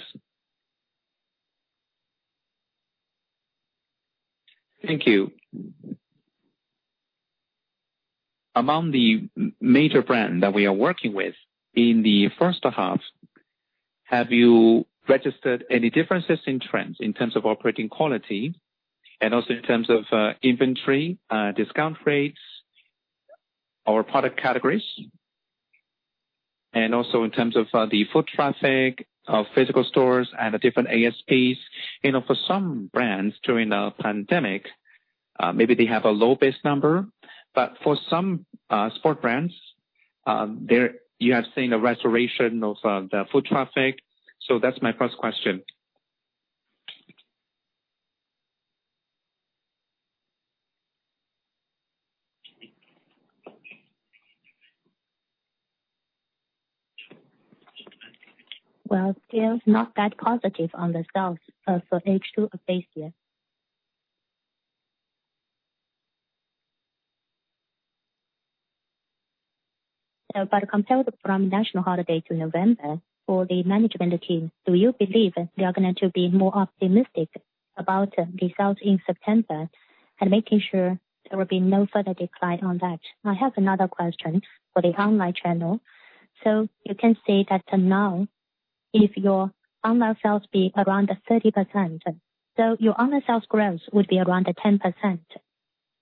Thank you. Among the major brand that we are working with in the first half, have you registered any differences in trends in terms of operating quality, and also in terms of inventory discount rates or product categories, and also in terms of the foot traffic of physical stores and the different ASPs? You know, for some brands, during the pandemic, maybe they have a low base number, but for some, sport brands, there you have seen a restoration of, the foot traffic. So that's my first question. Well, still not that positive on the sales for H2 of this year. But compared from national holiday to November, for the management team, do you believe they are going to be more optimistic about the sales in September and making sure there will be no further decline on that? I have another question for the online channel. So you can say that now, if your online sales be around the 30%, so your online sales growth would be around the 10%.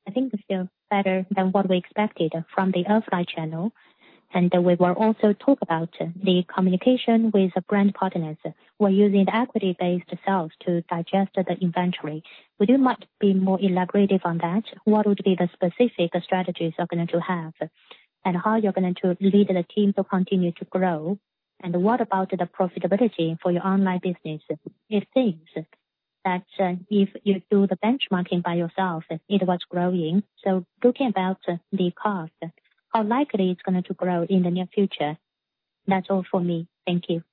I think it's still better than what we expected from the offline channel. And we will also talk about the communication with the brand partners. We're using equity-based sales to digest the inventory. Would you might be more elaborative on that? What would be the specific strategies you're going to have, and how you're going to lead the team to continue to grow? What about the profitability for your online business? It seems that, if you do the benchmarking by yourself, it was growing. So looking about the cost, how likely it's going to grow in the near future? That's all for me. Thank you.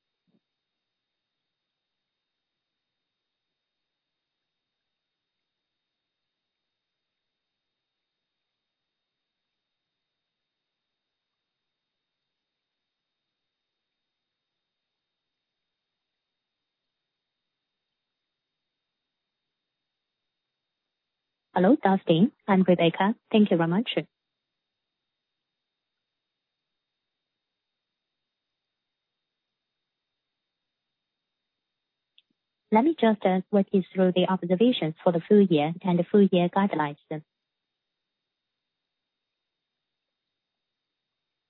Hello, Dustin, I'm Rebecca. Thank you very much. Let me just, walk you through the observations for the full year and the full year guidelines.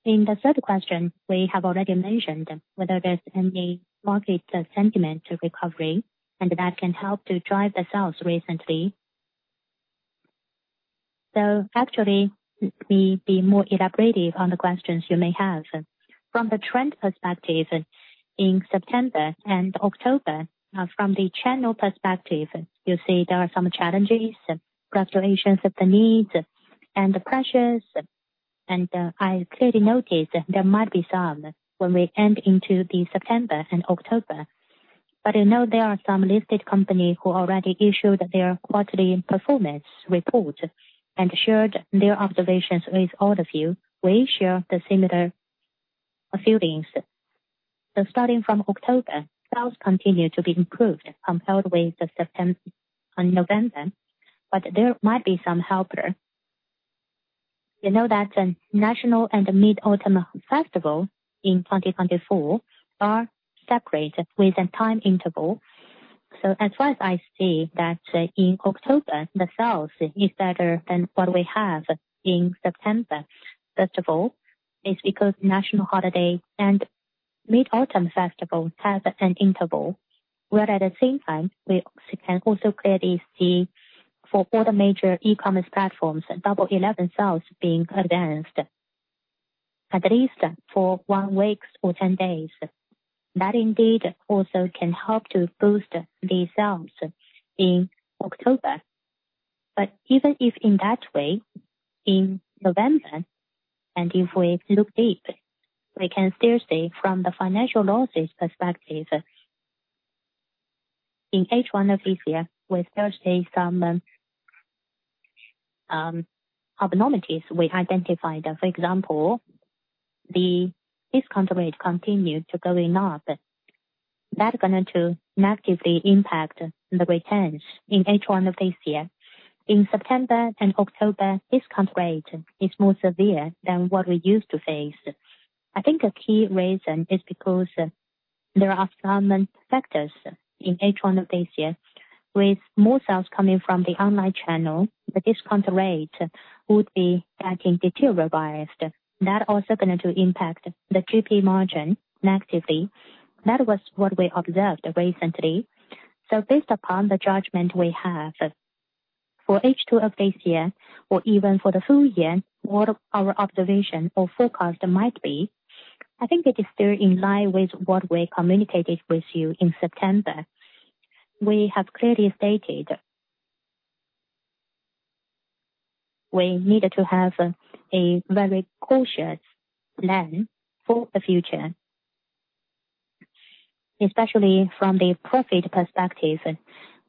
In the third question, we have already mentioned whether there's any market, sentiment to recovery, and that can help to drive the sales recently. So actually, let me be more elaborative on the questions you may have. From the trend perspective, in September and October, from the channel perspective, you'll see there are some challenges, restorations of the needs and the pressures. I clearly noticed there might be some when we end into the September and October. I know there are some listed companies who already issued their quarterly performance report and shared their observations with all of you. We share the similar feelings. Starting from October, sales continued to be improved compared with the September and November, but there might be some headwinds. You know that National Day and the Mid-Autumn Festival in 2024 are separated with a time interval. As far as I see that, in October, the sales is better than what we have in September. First of all, it's because National Day holiday and Mid-Autumn Festival have an interval, where at the same time, we can also clearly see for all the major e-commerce platforms, 11.11 sales being advanced, at least for one week or 10 days. That indeed also can help to boost the sales in October. But even if in that way, in November, and if we look deep, we can still say from the financial losses perspective, in H1 of this year, we still see some abnormalities we identified. For example, the discount rate continued to going up. That going to negatively impact the returns in H1 of this year. In September and October, discount rate is more severe than what we used to face. I think a key reason is because there are some factors in H1 of this year. With more sales coming from the online channel, the discount rate would be getting deteriorated, that also going to impact the GP margin negatively. That was what we observed recently. So based upon the judgment we have for H2 of this year or even for the full year, what our observation or forecast might be, I think it is still in line with what we communicated with you in September. We have clearly stated we needed to have a very cautious plan for the future, especially from the profit perspective.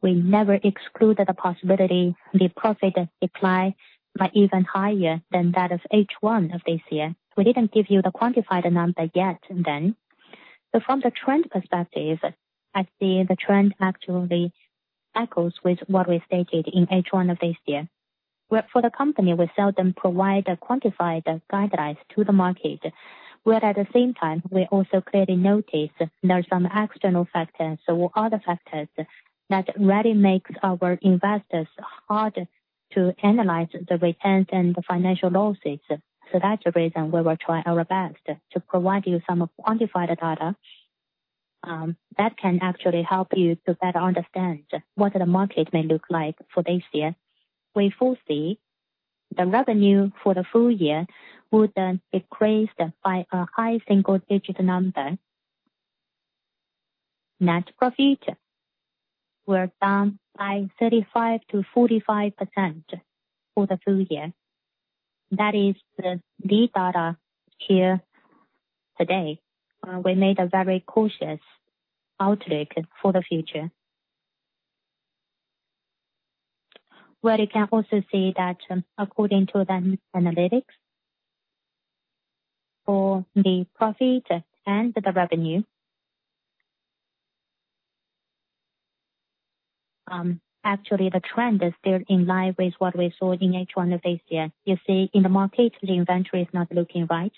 We never excluded the possibility the profit decline by even higher than that of H1 of this year. We didn't give you the quantified number yet then. But from the trend perspective, I see the trend actually echoes with what we stated in H1 of this year, where for the company, we seldom provide a quantified guidelines to the market, where at the same time, we also clearly notice there are some external factors or other factors that really makes our investors hard to analyze the returns and the financial losses. So that's the reason we will try our best to provide you some quantified data that can actually help you to better understand what the market may look like for this year. We foresee the revenue for the full year would increase by a high single digit number. Net profit were down by 35%-45% for the full year. That is the data here today. We made a very cautious outlook for the future. You can also see that, according to the analytics for the profit and the revenue, actually the trend is still in line with what we saw in H1 of this year. You see, in the market, the inventory is not looking right.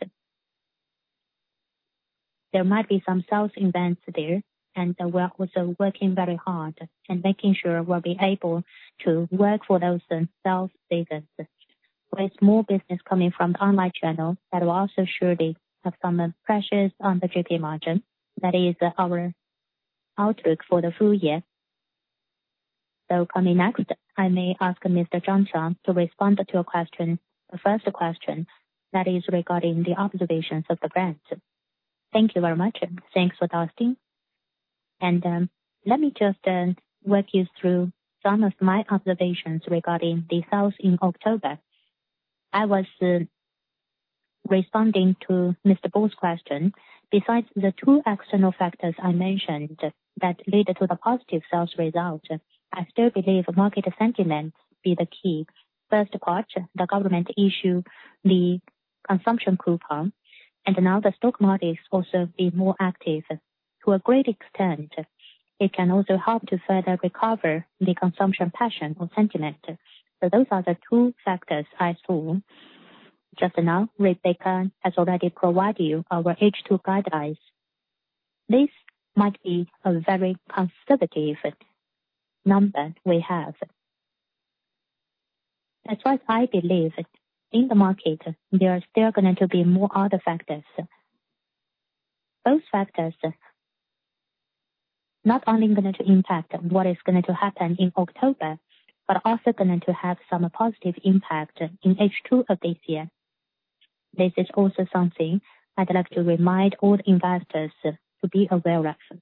There might be some sales events there, and we are also working very hard and making sure we'll be able to work for those sales business. With more business coming from the online channel, that will also surely have some pressures on the GP margin. That is our outlook for the full year. Coming next, I may ask Mr. Zhang Qiang to respond to your question, the first question, that is regarding the observations of the brand. Thank you very much. Thanks for asking. Let me just walk you through some of my observations regarding the sales in October. I was responding to Mr. Shaobo's question. Besides the two external factors I mentioned that led to the positive sales result, I still believe market sentiment be the key. First part, the government issue, the consumption coupon, and now the stock market also be more active. To a great extent, it can also help to further recover the consumption passion or sentiment. So those are the two factors I saw. Just now, Rebecca has already provided you our H2 guidelines. This might be a very conservative number we have. As far as I believe, in the market, there are still going to be more other factors. Those factors not only going to impact what is going to happen in October, but also going to have some positive impact in H2 of this year. This is also something I'd like to remind all investors to be aware of.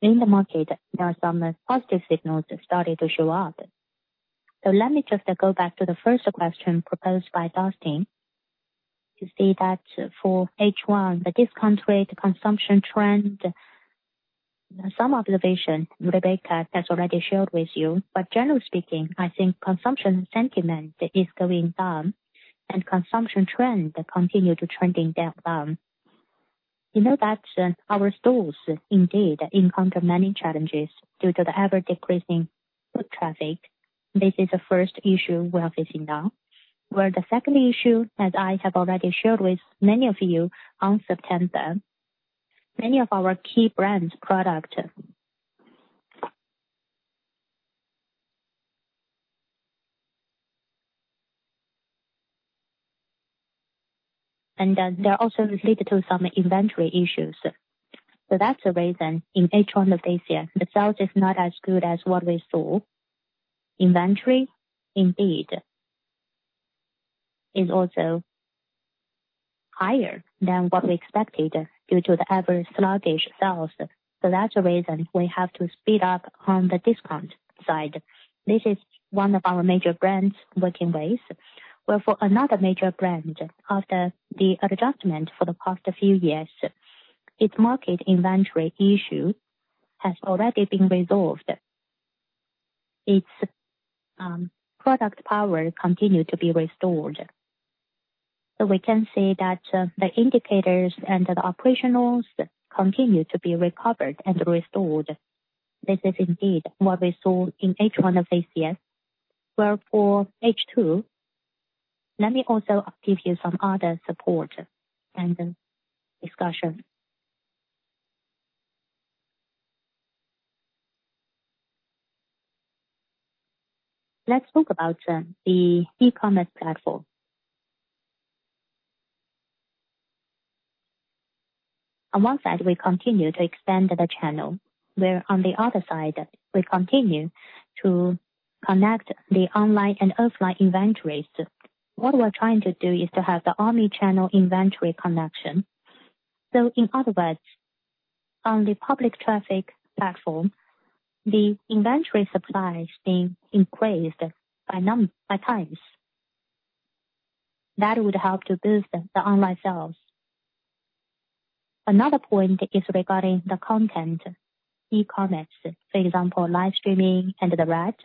In the market, there are some positive signals starting to show up. So let me just go back to the first question proposed by Dustin. You see that for H1, the discount rate, consumption trend, some observation Rebecca has already shared with you. But generally speaking, I think consumption sentiment is going down, and consumption trend continue to trending down. We know that our stores indeed encounter many challenges due to the ever-decreasing foot traffic. This is the first issue we are facing now. The second issue, as I have already shared with many of you on September, many of our key brands product. And they're also related to some inventory issues. So that's the reason in H1 of this year, the sales is not as good as what we saw. Inventory indeed is also higher than what we expected due to the average sluggish sales. So that's the reason we have to speed up on the discount side. This is one of our major brands working ways. Well, for another major brand, after the adjustment for the past few years, its market inventory issue has already been resolved. Its product power continued to be restored. So we can see that the indicators and the operationals continue to be recovered and restored. This is indeed what we saw in H1 of this year. Well, for H2, let me also give you some other support and discussion. Let's talk about the e-commerce platform. On one side, we continue to extend the channel, where on the other side, we continue to connect the online and offline inventories. What we're trying to do is to have the omni-channel inventory connection. In other words, on the public traffic platform, the inventory supplies being increased by times. That would help to boost the online sales. Another point is regarding the content e-commerce, for example, live streaming and the rest.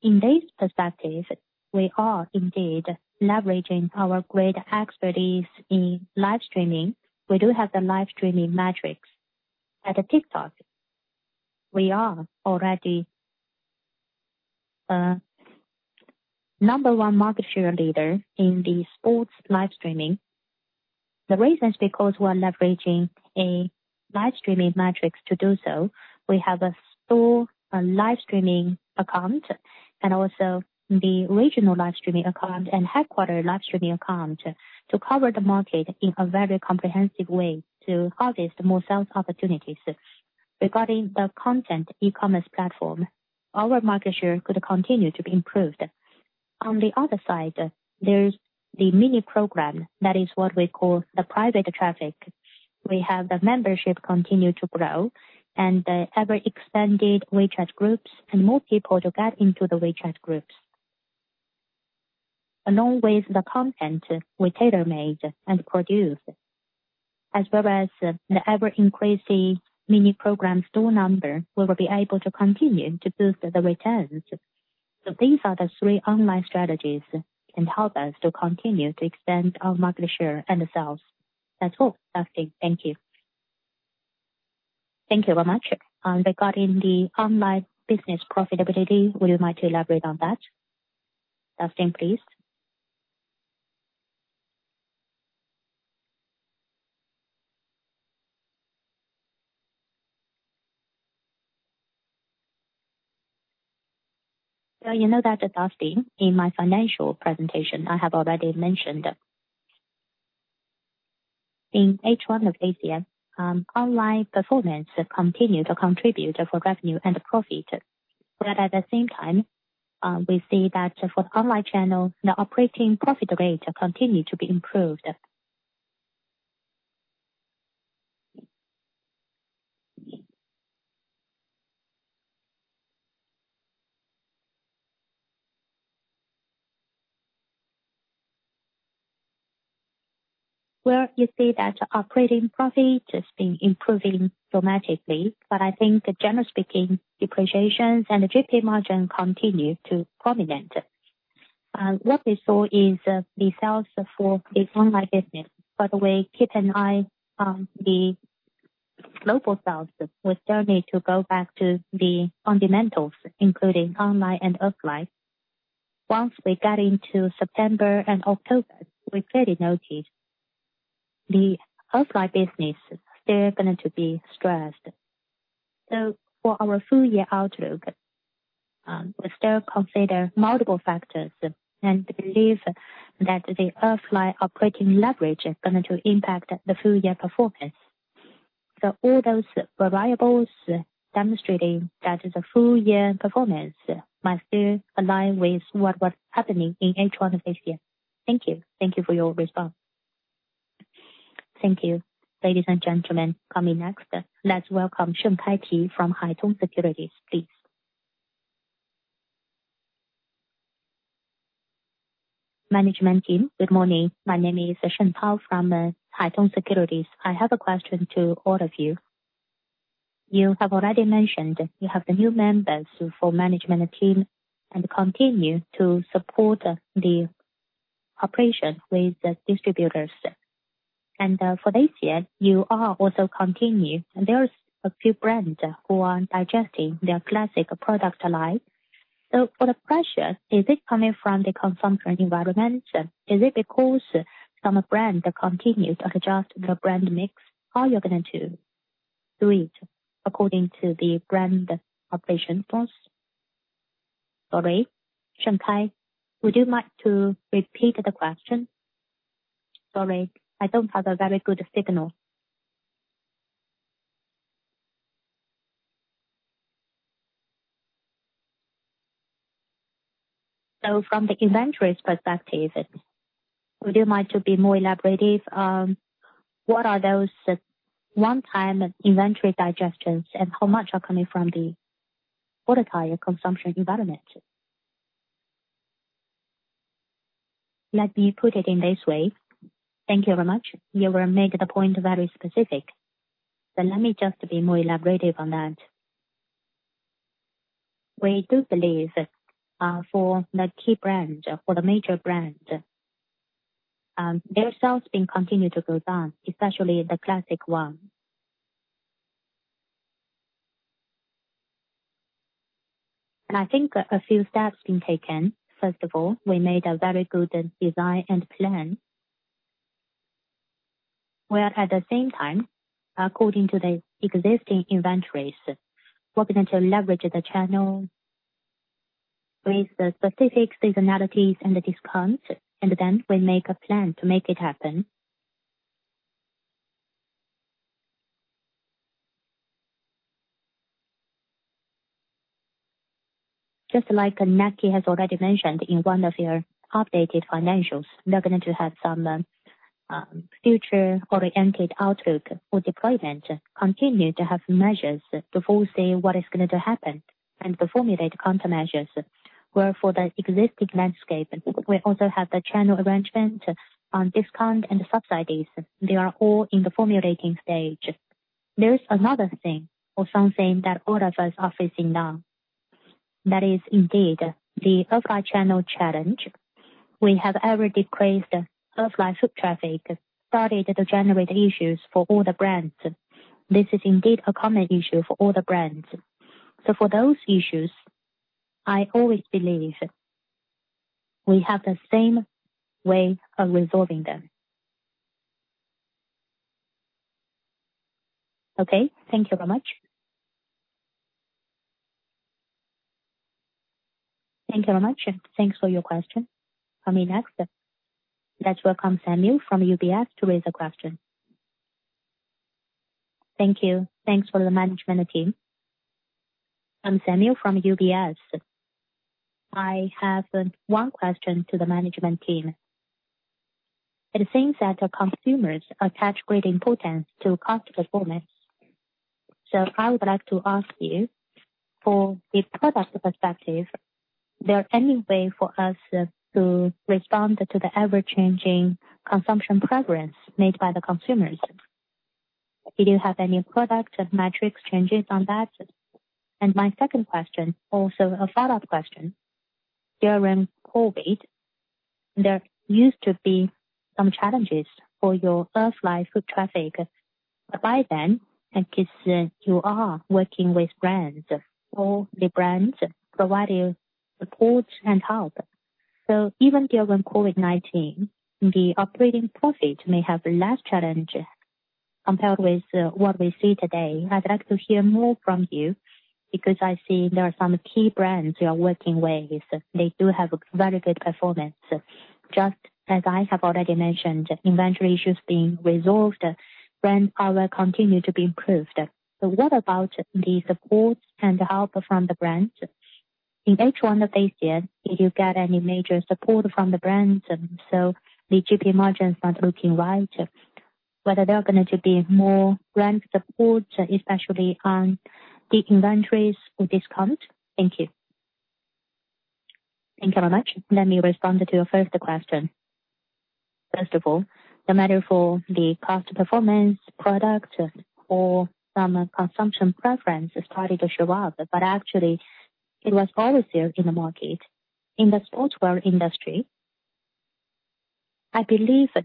In this perspective, we are indeed leveraging our great expertise in live streaming. We do have the live streaming matrix. At Douyin, we are already number one market share leader in the sports live streaming. The reason is because we're leveraging a live streaming matrix to do so. We have a store, a live streaming account, and also the regional live streaming account and headquarter live streaming account to cover the market in a very comprehensive way to harvest more sales opportunities. Regarding the content e-commerce platform, our market share could continue to be improved. On the other side, there's the Mini Program, that is what we call the private traffic. We have the membership continue to grow, and the ever-expanding WeChat groups, and more people to get into the WeChat groups. Along with the content we tailor-made and produce, as well as the ever-increasing Mini Program store number, we will be able to continue to boost the returns. So these are the three online strategies, can help us to continue to expand our market share and the sales. That's all, Dustin. Thank you. Thank you very much. Regarding the online business profitability, would you mind to elaborate on that? Dustin, please. Well, you know that, Dustin, in my financial presentation, I have already mentioned, in H1 of this year, online performance continued to contribute for revenue and profit. But at the same time, we see that for online channel, the operating profit rate continued to be improved. Well, you see that operating profit has been improving dramatically, but I think generally speaking, depreciation and the GP margin continue to be prominent. What we saw is the sales for the online business. But we keep an eye on the local sales. We still need to go back to the fundamentals, including online and offline. Once we got into September and October, we clearly noticed the offline business still going to be stressed. So for our full year outlook, we still consider multiple factors and believe that the offline operating leverage is going to impact the full year performance. So all those variables demonstrating that the full year performance must still align with what was happening in H1 of this year. Thank you. Thank you for your response. Thank you. Ladies and gentlemen, coming next, let's welcome Sun Peiqi from Haitong Securities, please. Management team, good morning. My name is Sun Peiqi from Haitong Securities. I have a question to all of you. You have already mentioned you have the new members for management team and continue to support the operation with the distributors. And for this year, you are also continue. There's a few brands who are digesting their classic product line. So for the pressure, is it coming from the consumption environment? Is it because some brands continue to adjust their brand mix? How you're going to do it according to the brand operation force? Sorry, Sun, would you like to repeat the question? Sorry, I don't have a very good signal. So from the inventories perspective, would you mind to be more elaborative on what are those one-time inventory digestions, and how much are coming from the overall consumption environment? Let me put it in this way. Thank you very much. You were making the point very specific, but let me just be more elaborative on that. We do believe that, for the key brands, for the major brands, their sales been continue to go down, especially the classic one. And I think a few steps been taken. First of all, we made a very good design and plan, where at the same time, according to the existing inventories, we're going to leverage the channel with the specific seasonalities and the discounts, and then we make a plan to make it happen. Just like Nike has already mentioned in one of your updated financials, we are going to have some future-oriented outlook or deployment, continue to have measures to foresee what is going to happen and to formulate countermeasures. Where for the existing landscape, we also have the channel arrangement on discount and subsidies. They are all in the formulating stage. There's another thing or something that all of us are facing now. That is indeed the offline channel challenge. We have ever decreased offline foot traffic, started to generate issues for all the brands. This is indeed a common issue for all the brands. So for those issues, I always believe we have the same way of resolving them. Okay, thank you very much. Thank you very much. Thanks for your question. Coming next, let's welcome Samuel from UBS to raise a question. Thank you. Thanks for the management team. I'm Samuel from UBS. I have one question to the management team. It seems that the consumers attach great importance to cost performance. So I would like to ask you, for the product perspective, there any way for us to respond to the ever-changing consumption preference made by the consumers? Do you have any product or metrics changes on that? And my second question, also a follow-up question. During COVID, there used to be some challenges for your offline foot traffic. By then, because you are working with brands, all the brands provided support and help. So even during COVID-19, the operating profit may have less challenge compared with what we see today. I'd like to hear more from you because I see there are some key brands you are working with. They do have a very good performance. Just as I have already mentioned, inventory issues being resolved, brand power continue to be improved. So what about the support and help from the brands? In H1 of this year, did you get any major support from the brands? And so the GP margin is not looking right. Whether there are going to be more brand support, especially on the inventories or discount? Thank you. Thank you very much. Let me respond to your first question. First of all, no matter for the cost performance, products, or some consumption preference started to show up, but actually, it was always there in the market. In the sportswear industry, I believe that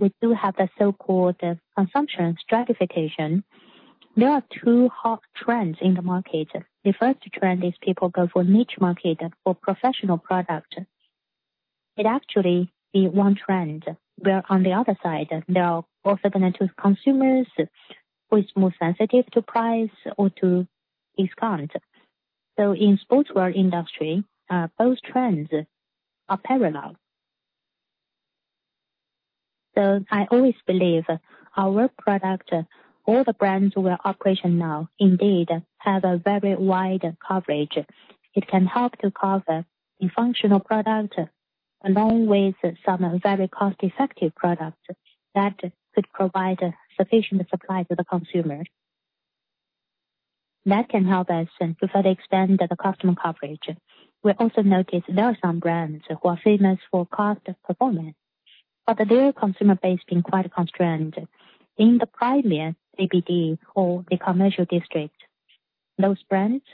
we do have the so-called consumption stratification. There are two hot trends in the market. The first trend is people go for niche market or professional product. It actually be one trend, where on the other side, there are also going to consumers who is more sensitive to price or to discount. So in sportswear industry, both trends are parallel. So I always believe our product, all the brands we are operating now indeed have a very wide coverage. It can help to cover the functional product, along with some very cost-effective products that could provide sufficient supply to the consumers. That can help us to further extend the customer coverage. We also noticed there are some brands who are famous for cost performance, but their consumer base being quite constrained. In the premier CBD or the commercial district, those brands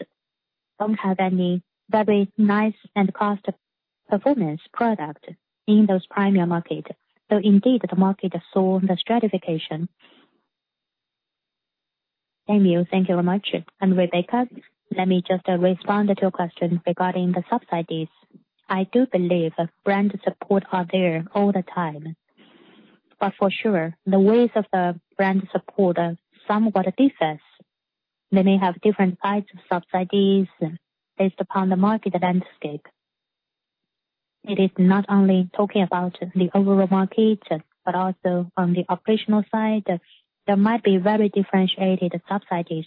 don't have any very nice and cost performance product in those premium market. So indeed, the market has saw the stratification. Thank you. Thank you very much. And Rebecca, let me just, respond to your question regarding the subsidies. I do believe that brand support are there all the time, but for sure, the ways of the brand support, somewhat differs. They may have different types of subsidies based upon the market landscape. It is not only talking about the overall market, but also on the operational side, there might be very differentiated subsidies.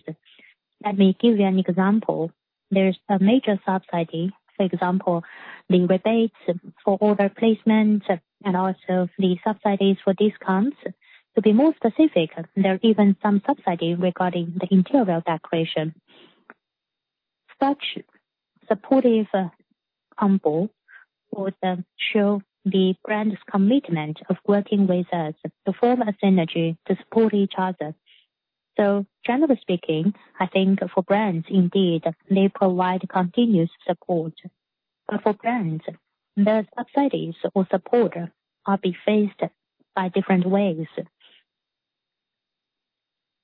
Let me give you an example. There's a major subsidy, for example, the rebates for order placement and also the subsidies for discounts. To be more specific, there are even some subsidy regarding the interior decoration. Such supportive, combo would, show the brand's commitment of working with us to form a synergy to support each other. So generally speaking, I think for brands, indeed, they provide continuous support. But for brands, the subsidies or support are be faced by different ways.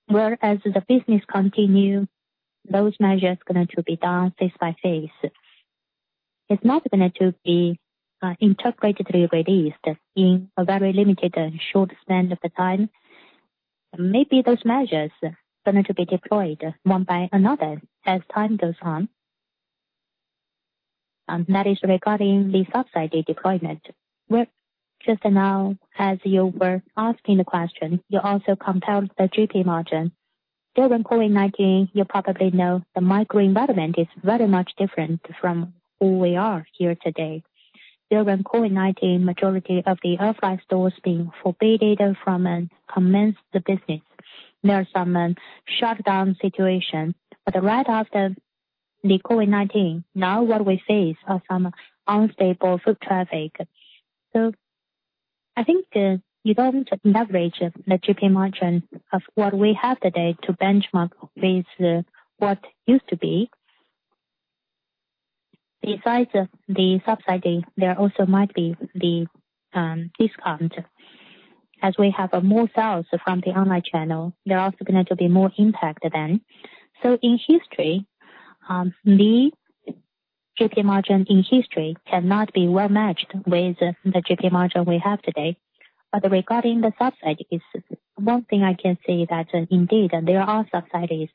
Whereas the business continue, those measures going to be done phase by phase. It's not going to be integrated released in a very limited and short span of the time. Maybe those measures are going to be deployed one by another as time goes on, and that is regarding the subsidy deployment. Where just now, as you were asking the question, you also compound the GP margin. During COVID-19, you probably know the microenvironment is very much different from who we are here today. During COVID-19, majority of the offline stores being forbade from commence the business. There are some shutdown situation. But right after the COVID-19, now what we face are some unstable foot traffic. So I think you don't leverage the GP margin of what we have today to benchmark with what used to be. Besides the subsidy, there also might be the discount. As we have more sales from the online channel, they're also going to be more impacted then. So in history, the GP margin in history cannot be well matched with the GP margin we have today. But regarding the subsidies, one thing I can say that indeed, there are subsidies,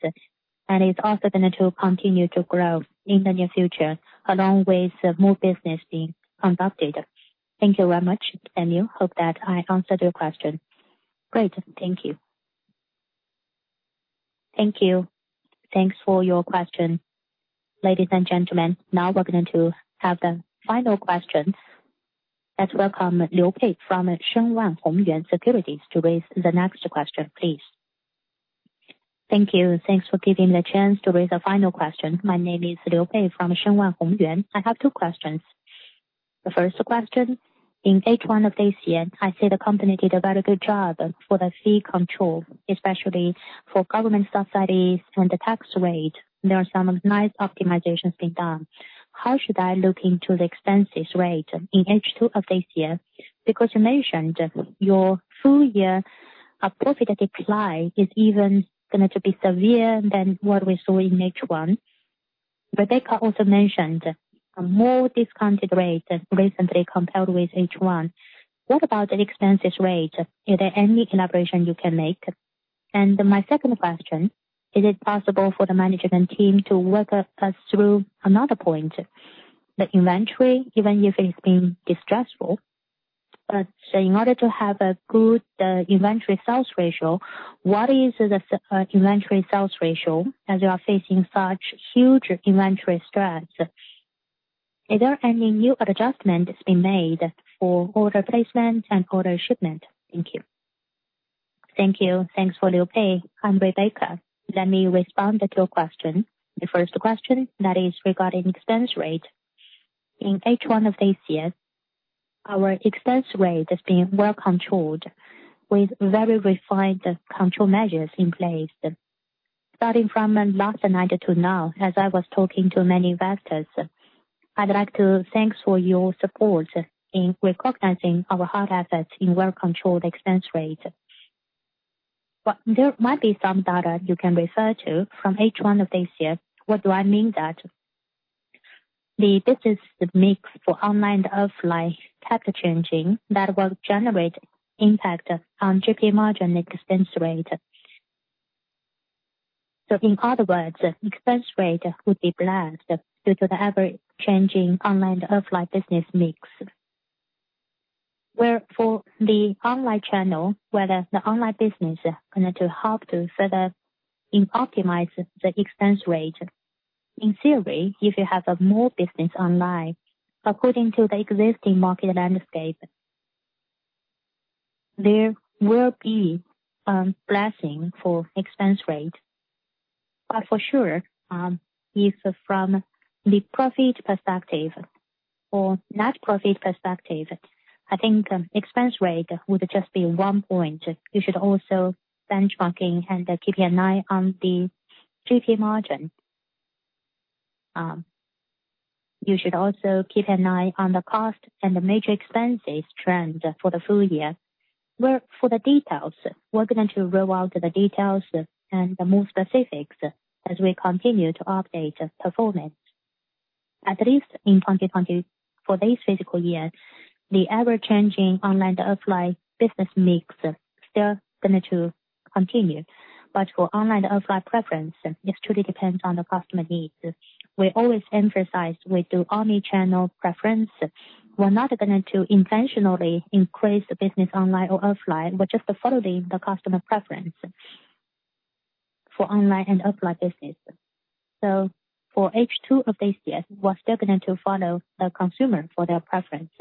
and it's also going to continue to grow in the near future, along with more business being conducted. Thank you very much, and you. Hope that I answered your question. Great. Thank you. Thank you. Thanks for your question. Ladies and gentlemen, now we're going to have the final questions. Let's welcome Lyu Pei from Shenwan Hongyuan Securities to raise the next question, please. Thank you. Thanks for giving me the chance to raise the final question. My name is Lyu Pei from Shenwan Hongyuan. I have two questions. The first question, in H1 of this year, I see the company did a very good job for the cost control, especially for government subsidies and the tax rate. There are some nice optimizations being done. How should I look into the expenses rate in H2 of this year? Because you mentioned your full year profit decline is even going to be severe than what we saw in H1. Rebecca also mentioned a more discounted rate recently compared with H1. What about the expenses rate? Is there any elaboration you can make? And my second question, is it possible for the management team to walk us through another point? The inventory, even if it's been distressful, but in order to have a good inventory sales ratio, what is the inventory sales ratio as you are facing such huge inventory stress? Is there any new adjustment that's been made for order placement and order shipment? Thank you. Thank you. Thanks for Lyu Pei. I'm Rebecca. Let me respond to your question. The first question, that is regarding expense rate. In H1 of this year, our expense rate has been well controlled with very refined control measures in place. Starting from last night to now, as I was talking to many investors, I'd like to thanks for your support in recognizing our hard efforts in well-controlled expense rate. But there might be some data you can refer to from H1 of this year. What do I mean that? The business mix for online to offline type changing that will generate impact on GP margin expense rate, so in other words, expense rate would be blessed due to the ever-changing online to offline business mix. Where for the online channel, whether the online business going to help to further optimize the expense rate, in theory, if you have a more business online, according to the existing market landscape, there will be blessing for expense rate. But for sure, for net profit perspective, I think expense rate would just be one point. You should also benchmarking and keeping an eye on the GP margin. You should also keep an eye on the cost and the major expenses trend for the full year. For the details, we're going to roll out the details and the more specifics as we continue to update performance. At least in 2020, for this fiscal year, the ever-changing online to offline business mix still going to continue. But for online to offline preference, it truly depends on the customer needs. We always emphasize we do omni-channel preference. We're not going to intentionally increase the business online or offline, but just to follow the customer preference for online and offline business. So for H2 of this year, we're still going to follow the consumer for their preference.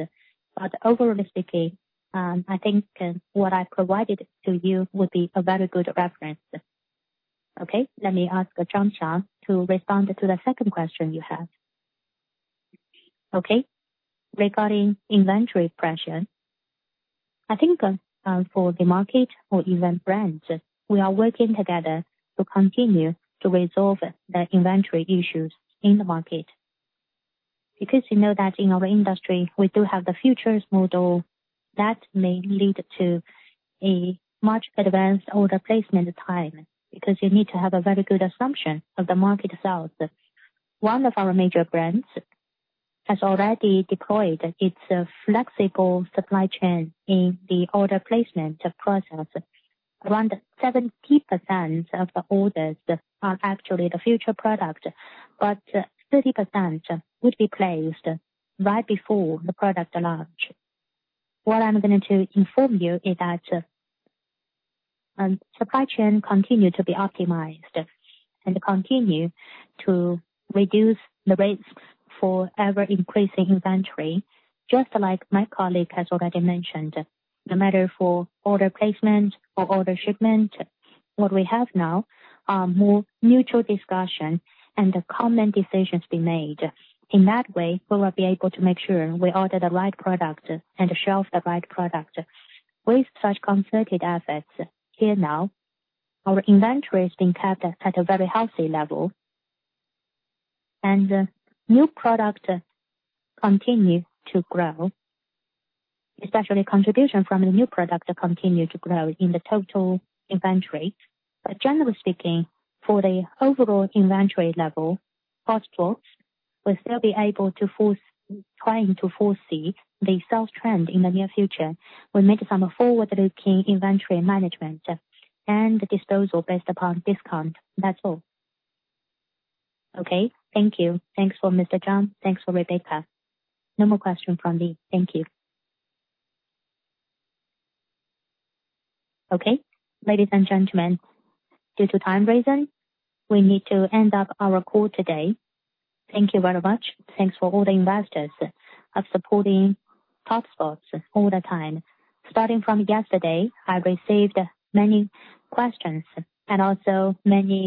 But overallistically, I think what I've provided to you would be a very good reference. Okay, let me ask Zhang Qiang to respond to the second question you have. Okay. Regarding inventory pressure, I think, for the market or even brands, we are working together to continue to resolve the inventory issues in the market. Because you know that in our industry, we do have the futures model that may lead to a much advanced order placement time, because you need to have a very good assumption of the market itself. One of our major brands has already deployed its, flexible supply chain in the order placement process. Around 70% of the orders are actually the future product, but 30% would be placed right before the product launch. What I'm going to inform you is that, supply chain continue to be optimized, and continue to reduce the risks for ever-increasing inventory. Just like my colleague has already mentioned, no matter for order placement or order shipment, what we have now are more mutual discussion and the common decisions being made. In that way, we will be able to make sure we order the right product and shelf the right product. With such concerted efforts here now, our inventory is being kept at a very healthy level, and new product continue to grow. Especially contribution from the new product continue to grow in the total inventory. But generally speaking, for the overall inventory level, Topsports will still be able to force- trying to foresee the sales trend in the near future. We made some forward-looking inventory management and disposal based upon discount. That's all. Okay. Thank you. Thanks for Mr. Zhang. Thanks for Rebecca. No more question from me. Thank you. Ladies and gentlemen, due to time reason, we need to end up our call today. Thank you very much. Thanks for all the investors of supporting Topsports all the time. Starting from yesterday, I've received many questions and also many-